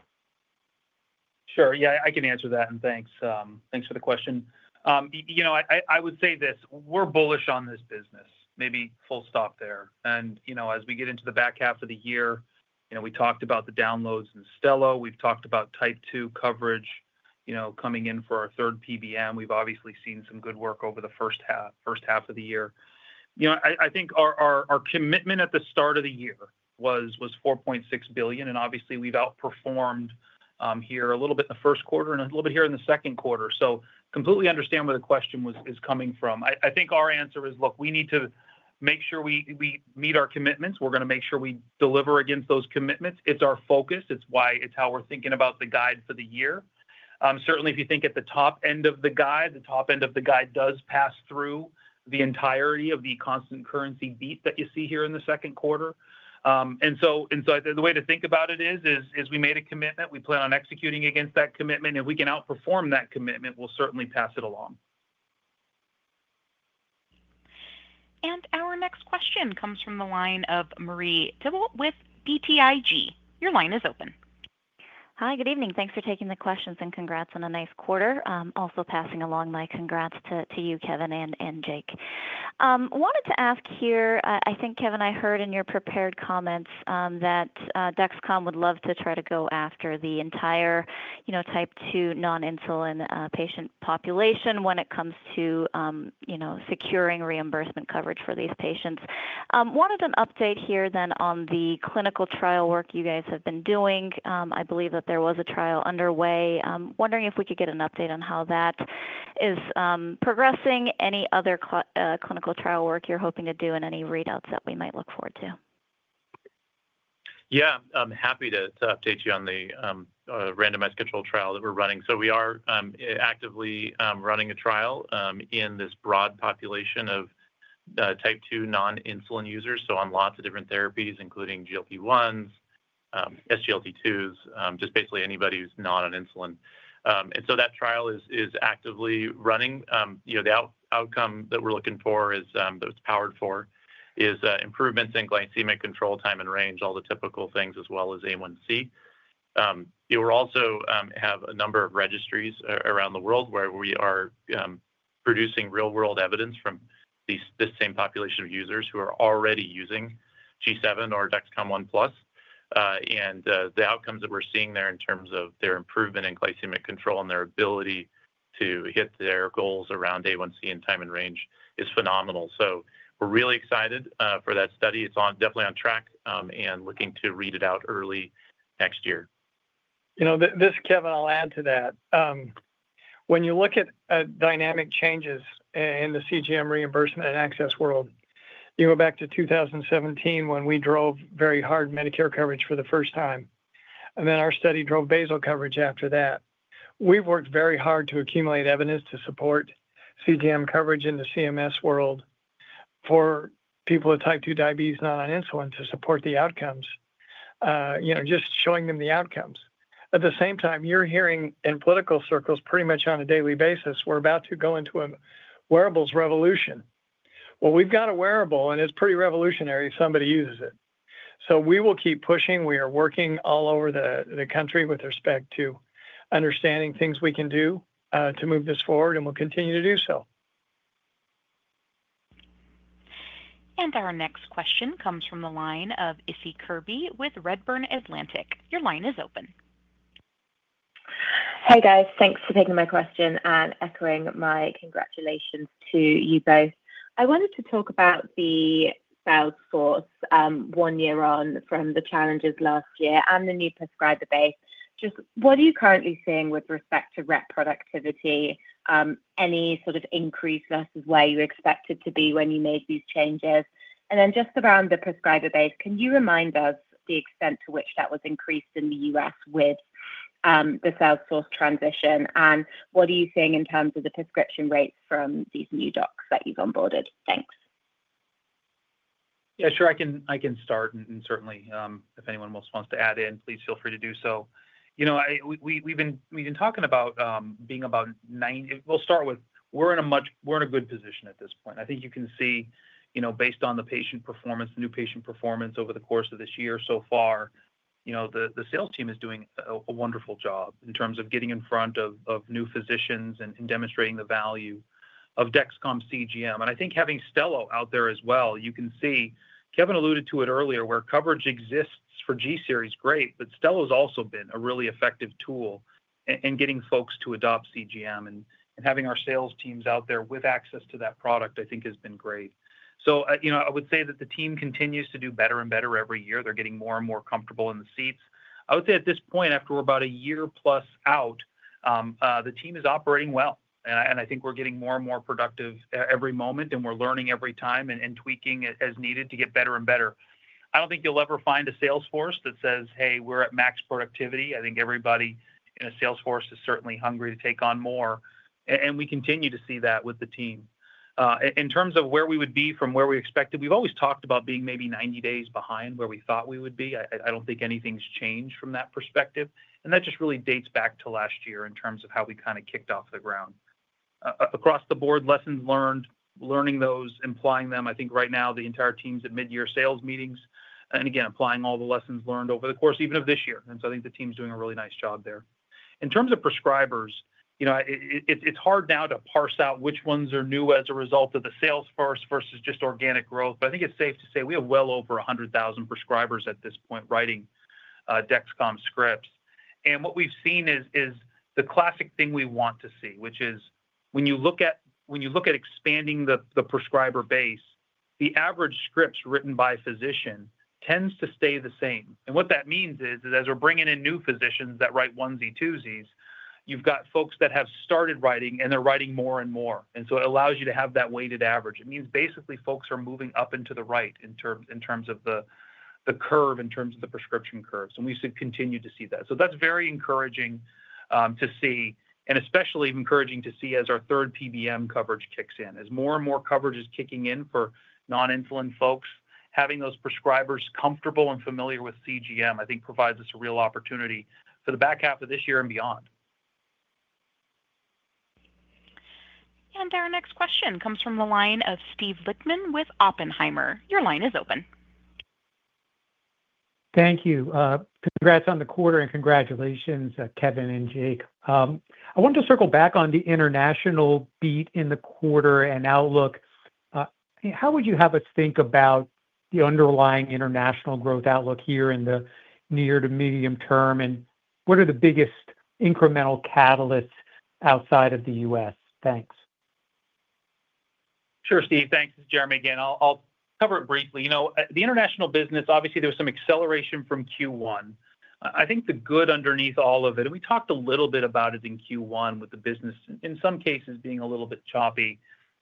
Sure. Yeah, I can answer that. Thanks, thanks for the question. You know, I would say this, we're bullish on this business. Maybe full stop there. You know, as we get into the back half of the year, you know, we talked about the downloads in Stelo, we've talked about type two coverage. You know, coming in for our third PBM. We've obviously seen some good work over the first half of the year. You know, I think our commitment at the start of the year was $4.6 billion. Obviously we've outperformed here a little bit in the first quarter and a little bit here in the second quarter. Completely understand where the question is coming from. I think our answer is, look, we need to make sure we meet our commitments. We're going to make sure we deliver against those commitments. It's our focus, it's why, it's how we're thinking about the guide for the year. Certainly if you think at the top end of the guide, the top end of the guide does pass through the entirety of the constant currency beat that you see here in the second quarter. The way to think about it is we made a commitment. We plan on executing against that commitment. If we can outperform that commitment, we'll certainly pass it along. Our next question comes from the line of Marie Thibault with BTIG. Your line is open. Hi, good evening. Thanks for taking the questions and congrats on a nice quarter. Also passing along my congrats to you Kevin and Jake. Wanted to ask here, I think Kevin, I heard in your prepared comments that Dexcom would love to try to go after the entire type 2 non-insulin patient population when it comes to securing reimbursement coverage for these patients. Wanted an update here then on the clinical trial work you guys have been doing. I believe that there was a trial underway wondering if we could get an update on how that is progressing. Any other clinical trial work you're hoping to do and any readouts that we might look forward to? Yeah, I'm happy to update you on the randomized controlled trial that we're running. We are actively running a trial in this broad population of type 2 non-insulin users. On lots of different therapies including GLP-1s, SGLT2s, just basically anybody who's not on insulin. That trial is actively running. You know, the outcome that we're looking for, that it's powered for, is improvements in glycemic control, time in range, all the typical things. As well as A1C, you also have a number of registries around the world where we are producing real world evidence from this same population of users who are already using G7 or Dexcom ONE+. The outcomes that we're seeing there in terms of their improvement in glycemic control and their ability to hit their goals around A1C and time in range is phenomenal. We're really excited for that study. It's definitely on track and looking to read it out early next year. You know this, Kevin. I'll add to that when you look at dynamic changes in the CGM reimbursement and access world, you go back to 2017 when we drove very hard Medicare coverage for the first time and then our study drove basal coverage after that. We've worked very hard to accumulate evidence to support CGM coverage in the CMS world for people with type 2 diabetes not on insulin to support the outcomes. You know, just showing them the outcomes at the same time you're hearing in political circles pretty much on a daily basis, we're about to go into a wearables revolution. We've got a wearable and it's pretty revolutionary if somebody uses it. We will keep pushing. We are working all over the country with respect to understanding things we can do to move this forward and we'll continue to do so. Our next question comes from the line of Issie Kirby with Redburn Atlantic. Your line is open. Hey guys, thanks for taking my question and echoing my congratulations to you both. I wanted to talk about the Salesforce one year on. From the challenges last year and the new prescriber base, just what are you currently seeing with respect to rep productivity? Any sort of increase versus where you expected to be when you made these changes and then just around the prescriber base. Can you remind us the extent to which that was increased in the U.S. with the Salesforce transition and what are you seeing in terms of the prescription rates from these new docs that you've onboarded? Thanks. Yeah, sure, I can start. Certainly if anyone else wants to add in, please feel free to do so. You know, we've been talking about being about nine. We'll start with, we're in a much, we're in a good position at this point. I think you can see based on the patient performance, new patient performance over the course of this year so far, the sales team is doing a wonderful job in terms of getting in front of new physicians and demonstrating the value of Dexcom CGM. I think having Stelo out there as well, you can see Kevin alluded to it earlier where coverage exists for G-series, great. Stelo has also been a really effective tool in getting folks to adopt CGM. Having our sales teams out there with access to that product I think has been great. I would say that the team continues to do better and better every year. They're getting more and more comfortable in the seats. I would say at this point, after we're about a year plus out, the team is operating well and I think we're getting more and more productive every moment and we're learning every time and tweaking as needed to get better and better. I don't think you'll ever find a salesforce that says, hey, we're at max productivity. I think everybody, salesforce is certainly hungry to take on more. We continue to see that with the team in terms of where we would be from where we expected. We've always talked about being maybe 90 days behind where we thought we would be. I don't think anything's changed from that perspective. That just really dates back to last year in terms of how we kind of kicked off the ground across the board. Lessons learned, learning those, implying them. I think right now the entire team's at mid year sales meetings and again applying all the lessons learned over the course even of this year. I think the team's doing a really nice job there. In terms of prescribers, you know, it's hard now to parse out which ones are new as a result of the sales first versus just organic growth. I think it's safe to say we have well over 100,000 prescribers at this point writing Dexcom scripts. What we've seen is the classic thing we want to see, which is when you look at, when you look at expanding the prescriber base, the average scripts written by physician tends to stay the same. What that means is as we're bringing in new physicians that write onesie twosies, you've got folks that have started writing and they're writing more and more. It allows you to have that weighted average. It means basically folks are moving up and to the right in terms of the curve, in terms of the prescription curves, and we should continue to see that. That is very encouraging to see and especially encouraging to see as our third PBM coverage kicks in. As more and more coverage is kicking in for non-insulin folks, having those prescribers comfortable and familiar with CGM I think provides us a real opportunity for the back half of this year and beyond. Our next question comes from the line of Steve Lichtman with Oppenheimer. Your line is open. Thank you. Congrats on the quarter and congratulations, Kevin and Jake. I want to circle back on the International beat in the quarter and outlook. How would you have us think about? The underlying international growth outlook here in the near to medium term and what are the biggest incremental catalysts outside of the U.S.? Thanks. Sure, Steve. Thanks Jereme. Again, I'll cover it briefly. You know, the international business obviously there was some acceleration from Q1. I think the good underneath all of it, and we talked a little bit about it in Q1 with the business in some cases being a little bit choppy,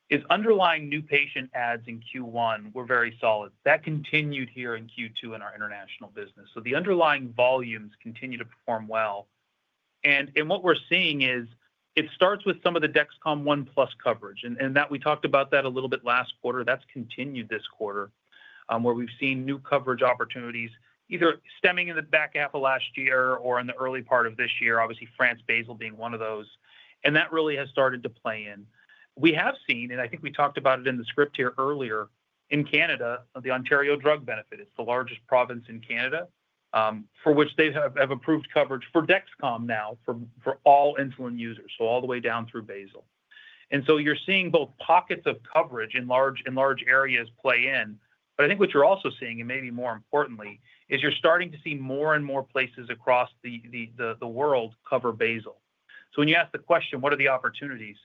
is underlying. New patient adds in Q1 were very solid. That continued here in Q2 in our international business. So the underlying volumes continue to perform well. What we're seeing is it starts with some of the Dexcom ONE+ coverage, and we talked about that a little bit last quarter. That's continued this quarter, where we've seen new coverage opportunities either stemming in the back half of last year or in the early part of this year. Obviously, France basal being one of those. That really has started to play in. We have seen, and I think we talked about it in the script here earlier, in Canada, the Ontario Drug Benefit. It's the largest province in Canada for which they have approved coverage for Dexcom now for all insulin users, so all the way down through basal. You're seeing both pockets of coverage in large areas play in. I think what you're also seeing, and maybe more importantly, is you're starting to see more and more places across the world cover basal. When you ask the question, what are the opportunities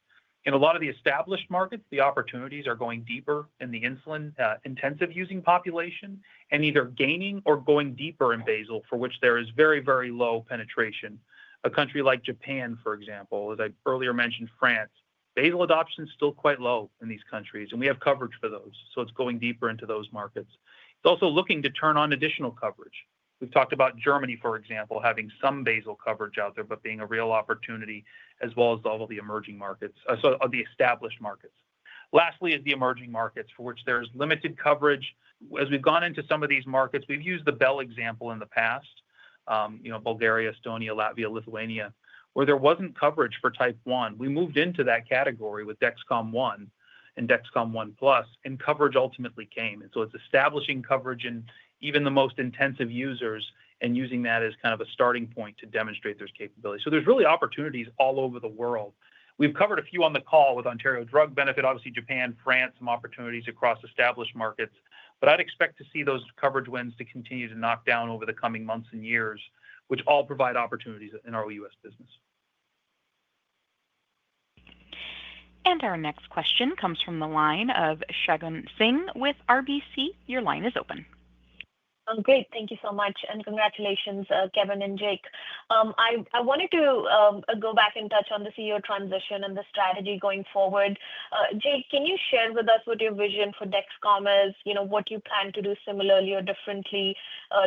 in a lot of the established markets, the opportunities are going deeper in the insulin-intensive using population and either gaining or going deeper in basal, for which there is very, very low penetration. A country like Japan, for example, as I earlier mentioned, France, basal adoption is still quite low in these countries, and we have coverage for those. It's going deeper into those markets. It's also looking to turn on additional coverage. We've talked about Germany, for example, having some basal coverage out there, but being a real opportunity, as well as all of the emerging markets, the established markets. Lastly is the emerging markets for which there is limited coverage. As we've gone into some of these markets, we've used the Bell example in the past. Bulgaria, Estonia, Latvia, Lithuania, where there wasn't coverage for type 1. We moved into that category with Dexcom ONE, and Dexcom ONE+ and coverage ultimately came. It's establishing coverage in even the most intensive users and using that as kind of a starting point to demonstrate those capability. There's really opportunities all over the world. We've covered a few on the call with Ontario Drug Benefit, obviously Japan, France, some opportunities across established markets. I'd expect to see those coverage wins to continue to knock down over the coming months and years, which all provide opportunities in our OUS business. Our next question comes from the line of Shagun Singh with RBC. Your line is open. Great. Thank you so much and congratulations, Kevin and Jake. I wanted to go back and touch on the CEO transition and the strategy going forward. Jake, can you share with us what your vision for Dexcom is, what you plan to do similarly or differently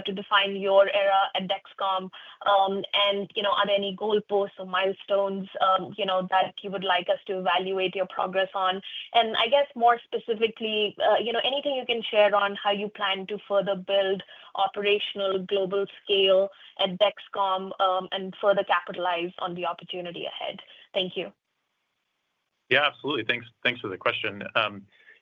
to define your era at Dexcom? Are there any goal posts or milestones that you would like us to evaluate your progress on? I guess more specifically, anything you can share on how you plan to further build operational global scale at Dexcom and further capitalize on the opportunity ahead. Thank you. Yeah, absolutely. Thanks for the question.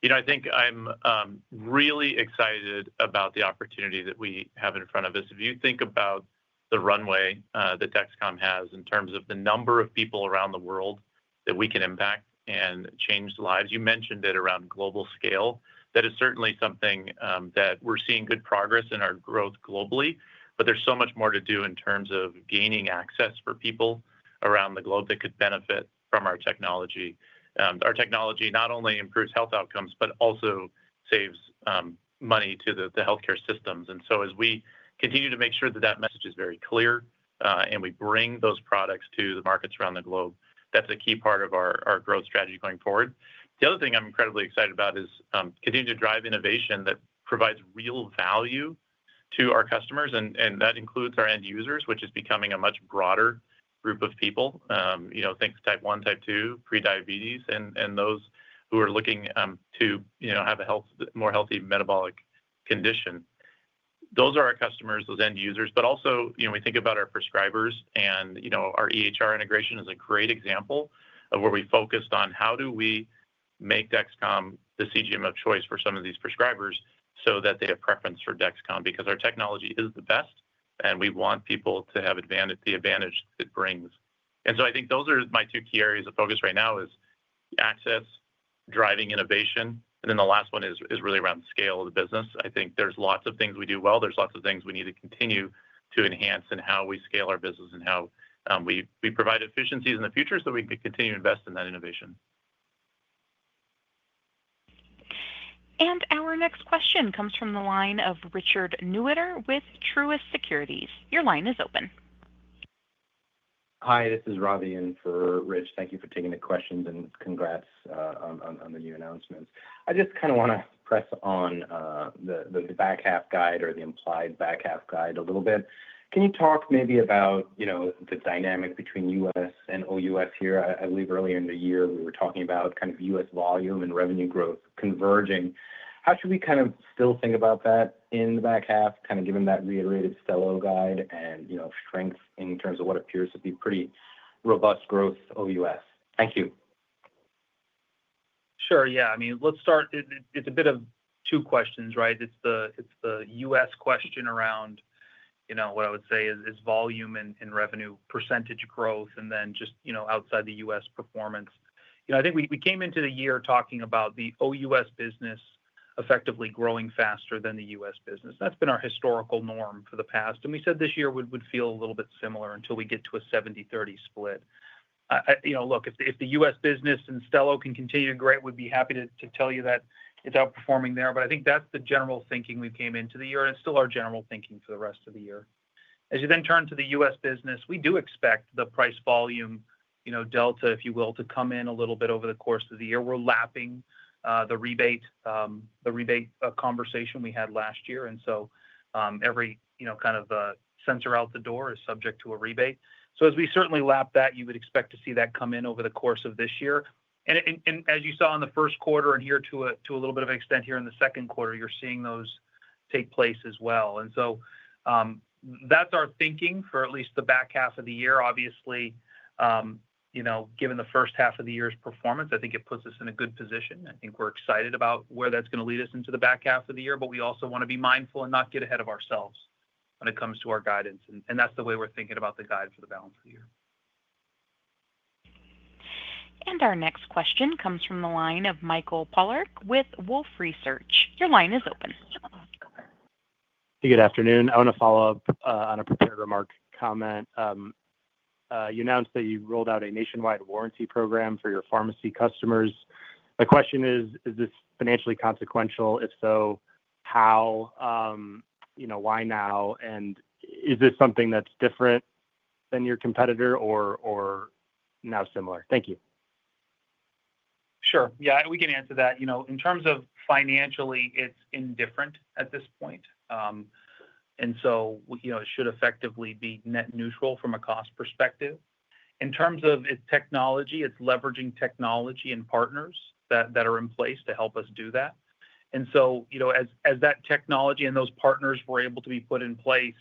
You know, I think I'm really excited about the opportunity that we have in front of us. If you think about the runway that Dexcom has in terms of the number of people around the world that we can impact and change lives, you mentioned it. Around global scale, that is certainly something that we're seeing good progress in our growth globally. There is so much more to do in terms of gaining access for people around the globe that could benefit from our technology. Our technology not only improves health outcomes, but also saves money to the healthcare systems. As we continue to make sure that that message is very clear and we bring those products to the markets around the globe, that's a key part of our growth strategy going forward. The other thing I'm incredibly excited about is continuing to drive innovation that provides real value to our customers. That includes our end users, which is becoming a much broader group of people, think type 1, type 2, prediabetes, and those who are looking to have a more healthy metabolic condition. Those are our customers, those end users. We also think about our prescribers. Our EHR integration is a great example where we focused on how do we make Dexcom the CGM of choice for some of these prescribers so that they have preference for Dexcom because our technology is the best and we want people to have the advantage it brings. I think those are my two key areas of focus right now: access, driving innovation. The last one is really around scale of the business. I think there are lots of things we do well, there are lots of things we need to continue to enhance in how we scale our business and how we provide efficiencies in the future so we can continue to invest in that innovation. Our next question comes from the line of Richard Neuiter with Truist Securities. Your line is open. Hi, this is Ravi and for Rich, thank you for taking the questions and congrats on the new announcements. I just kind of want to press on the back half guide or the implied back half guide a little bit. Can you talk maybe about the dynamic between U.S. and OUS here? I believe earlier in the year we're talking about kind of U.S. volume and revenue growth converging. How should we kind of still think about that in the back half given that reiterated Stelo guide and strength in terms of what appears to be pretty robust growth OUS? Thank you. Sure. Yeah. I mean, let's start. It's a bit of two questions, right? It's the U.S. question around what I would say is volume and revenue percentage growth and then just outside the U.S. performance. I think we came into the year talking about the OUS business effectively growing faster than the U.S. business. That's been our historical norm for the past and we said this year would feel a little bit similar until we get to a 70/30 split. Look, if the U.S. business and Stelo can continue, great. We'd be happy to tell you that outperforming there, but I think that's the general thinking we came into the year and it's still our general thinking for the rest of the year. As you then turn to the U.S. business, we do expect the price volume delta, if you will, to come in a little bit over the course of the year. We're lapping the rebate, the rebate conversation we had last year. And so every kind of sensor out the door is subject to a rebate. As we certainly lap that you would expect to see that come in over the course of this year. As you saw in the first quarter and here to a little bit of extent here in the second quarter, you're seeing those take place as well. That's our thinking for at least the back half of the year. Obviously, you know, given the first half of the year's performance, I think it puts us in a good position. I think we're excited about where that's going to lead us into the back half of the year. We also want to be mindful and not get ahead of ourselves when it comes to our guidance. That's the way we're thinking about the guide for the balance. Our next question comes from the line of Michael Polark with Wolfe Research. Your line is open. Good afternoon. I want to follow up on a prepared remark comment. You announced that you rolled out a nationwide warranty program for your pharmacy customers. The question is, is this financially consequential? If so, how? You know, why now? And is this something that's different than your competitor or now similar? Thank you. Sure. Yeah, we can answer that. You know, in terms of financially, it's indifferent at this point. And so, you know, it should effectively be net neutral from a cost perspective. In terms of technology, it's leveraging technology and partners that are in place to help us do that. And so, you know, as that technology and those partners were able to be put in place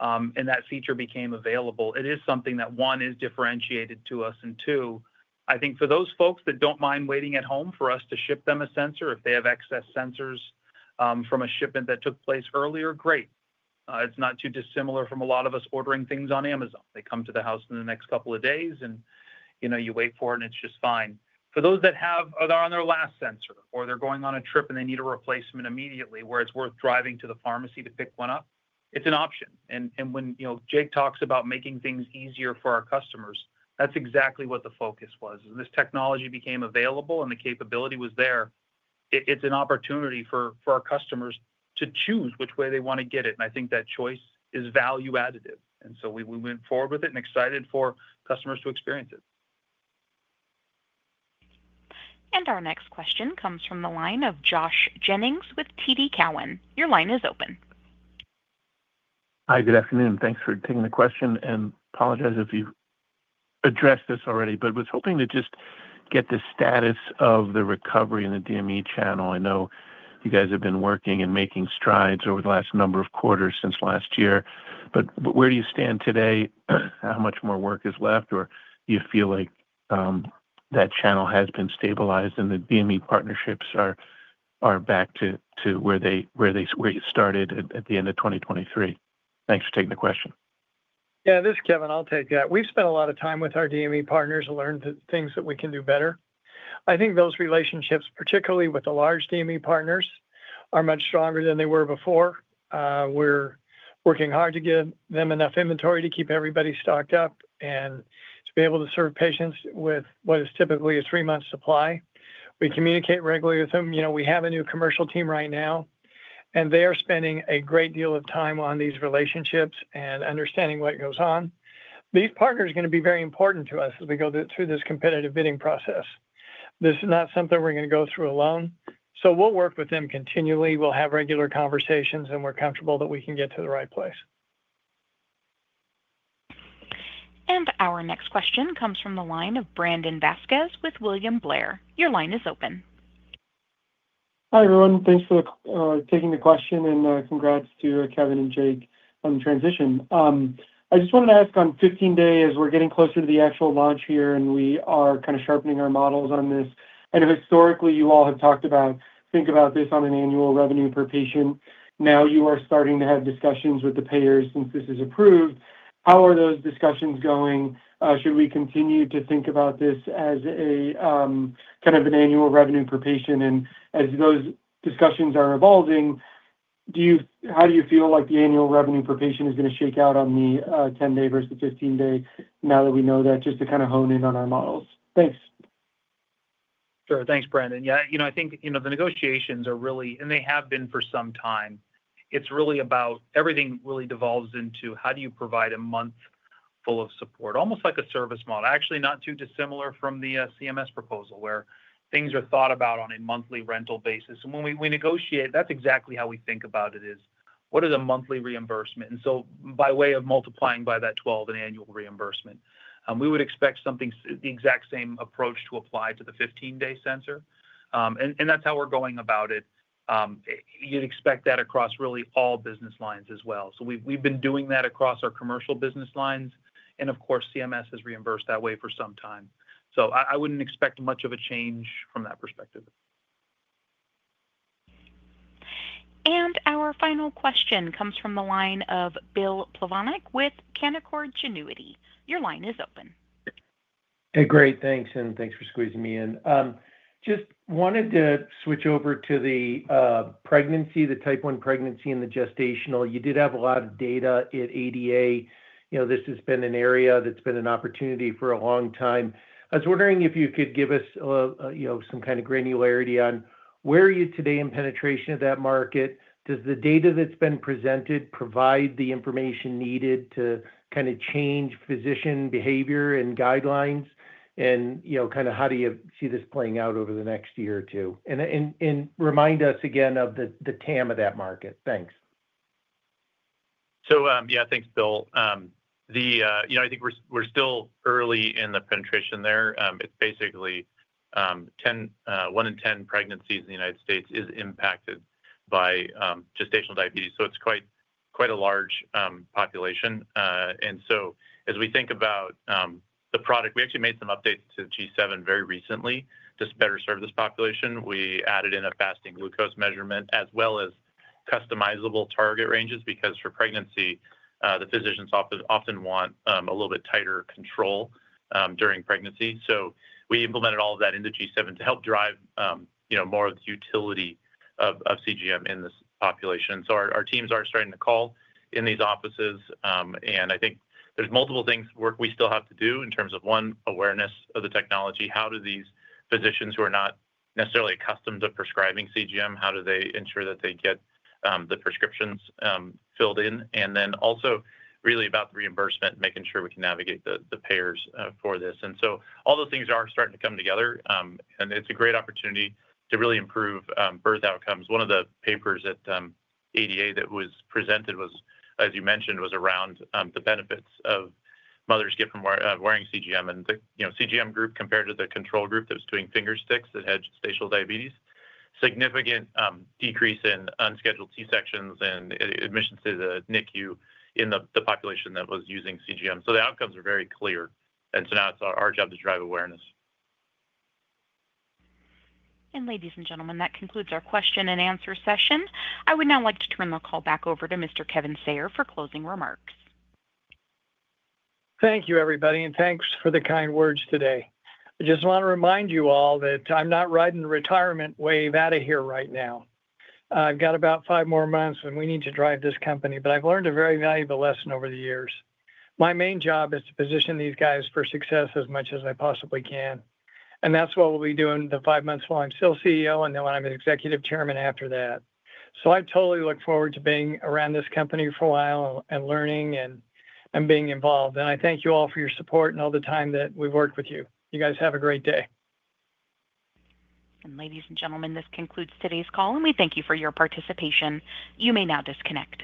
and that feature became available, it is something that, one, is differentiated to us and two, I think for those folks that don't mind waiting at home for us to ship them a sensor, if they have excess sensors from a shipment that took place earlier, great. It's not too dissimilar from a lot of us ordering things on Amazon. They come to the house in the next couple of days and, you know, you wait for it and it's just fine. For those that have on their last sensor or they're going on a trip and they need a replacement immediately where it's worth driving to the pharmacy to pick one up. It's an option. When Jake talks about making things easier for our customers, that's exactly what the focus was. This technology became available and the capability was there. It's an opportunity for our customers to choose which way they want to get it. I think that choice is value added. We went forward with it and excited for customers to experience it. Our next question comes from the line of Josh Jennings with TD Cowen. Your line is open. Hi, good afternoon. Thanks for taking the question and apologize if you addressed this already but was hoping to just get the status of the recovery in the DME channel. I know you guys have been working and making strides over the last number of quarters since last year, but where do you stand today? How much more work is left? Or do you feel like that channel has been stabilized and the DME partnerships are back to where you started at the end of 2023? Thanks for taking the question. Yeah, this is Kevin. I'll take that. We've spent a lot of time with our DME partners to learn things that we can do better. I think those relationships, particularly with the large DME partners, are much stronger than they were before. We're working hard to give them enough inventory to keep everybody stocked up and to be able to serve patients with what is typically a three month supply. We communicate regularly with them. You know, we have a new commercial team right now and they are spending a great deal of time on these relationships and understanding what goes on. These partners are going to be very important to us as we go through this competitive bidding process. This is not something we're going to go through alone. We'll work with them continually. We'll have regular conversations and we're comfortable that we can get to the right place. Our next question comes from the line of Brandon Vazquez with William Blair. Your line is open. Hi everyone. Thanks for taking the question and congrats to Kevin and Jake on the transition. I just wanted to ask on 15-day, we're getting closer to the actual launch here and we are kind of sharpening our models on this and historically you all have talked about think about this on an annual revenue per patient. Now you are starting to have discussions with the payers. Since this is approved, how are those discussions going? Should we continue to think about this as a kind of an annual revenue per patient? And as those discussions are evolving, do. How do you feel like the annual revenue per patient is going to shake out on the 10-day versus 15-day now that we know that just to kind of hone in on our models. Thanks. Sure. Thanks, Brandon. Yeah, you know, I think, you know, the negotiations are really, and they have been for some time. It's really about everything really devolves into how do you provide a month full of support. Almost like a service model actually, not too dissimilar from the CMS proposal where things are thought about on a monthly rental basis. When we negotiate, that's exactly how we think about it is what are the monthly reimbursement. By way of multiplying by that 12 and annual reimbursement, we would expect something, the exact same approach to apply to the 15-day sensor. That's how we're going about it. You'd expect that across really all business lines as well. We've been doing that across our commercial business lines and of course CMS has reimbursed that way for some time. I wouldn't expect much of a change from that perspective. Our final question comes from the line of Bill Plavonic with Canaccord Genuity. Your line is open. Great. Thanks for squeezing me in. Just wanted to switch over to the pregnancy, the type 1 pregnancy and the gestational. You did have a lot of data at ADA. You know, this has been an area that's been an opportunity for a long time. I was wondering if you could give us some kind of granularity on where are you today in penetration of that market? Does the data that's been presented provide the information needed to kind of change physician behavior and guidelines and kind of how do you see this playing out over the next year or two, and remind us again of the TAM of that market? Thanks. Yeah, thanks Bill. I think we're still early in the penetration there. It's basically 1 in 10 pregnancies in the United States is impacted by gestational diabetes. It's quite a large population. As we think about the product, we actually made some updates to G7 very recently to better serve this population. We added in a fasting glucose measurement as well as customizable target ranges because for pregnancy the physicians often want a little bit tighter control during pregnancy. We implemented all of that into G7 to help drive more of the utility of CGM in this population. Our teams are starting to call in these offices and I think there's multiple things we still have to do in terms of, one, awareness of the technology. How do these physicians who are not necessarily accustomed to prescribing CGM, how do they ensure that they get the prescriptions filled in, and then also really about the reimbursement, making sure we can navigate the payers for this. All those things are starting to come together and it's a great opportunity to really improve birth outcomes. One of the papers at ADA that was presented, as you mentioned, was around the benefits of mothers wearing CGM. The CGM group compared to the control group that was doing finger sticks that had gestational diabetes had a significant decrease in unscheduled C-sections and admissions to the NICU in the population that was using CGM. The outcomes are very clear. Now it's our job to drive awareness. Ladies and gentlemen, that concludes our question and answer session. I would now like to turn the call back over to Mr. Kevin Sayer for closing remarks. Thank you, everybody, and thanks for the kind words today. I just want to remind you all that I'm not riding the retirement wave out of here right now. I've got about five more months, and we need to drive this company. I've learned a very valuable lesson over the years. My main job is to position these guys for success as much as I possibly can. That's what we'll be doing the five months while I'm still CEO and then when I'm Executive Chairman after that. I totally look forward to being around this company for a while and learning and being involved. I thank you all for your support and all the time that we've worked with you. You guys have a great day. Ladies and gentlemen, this concludes today's call, and we thank you for your participation. You may now disconnect.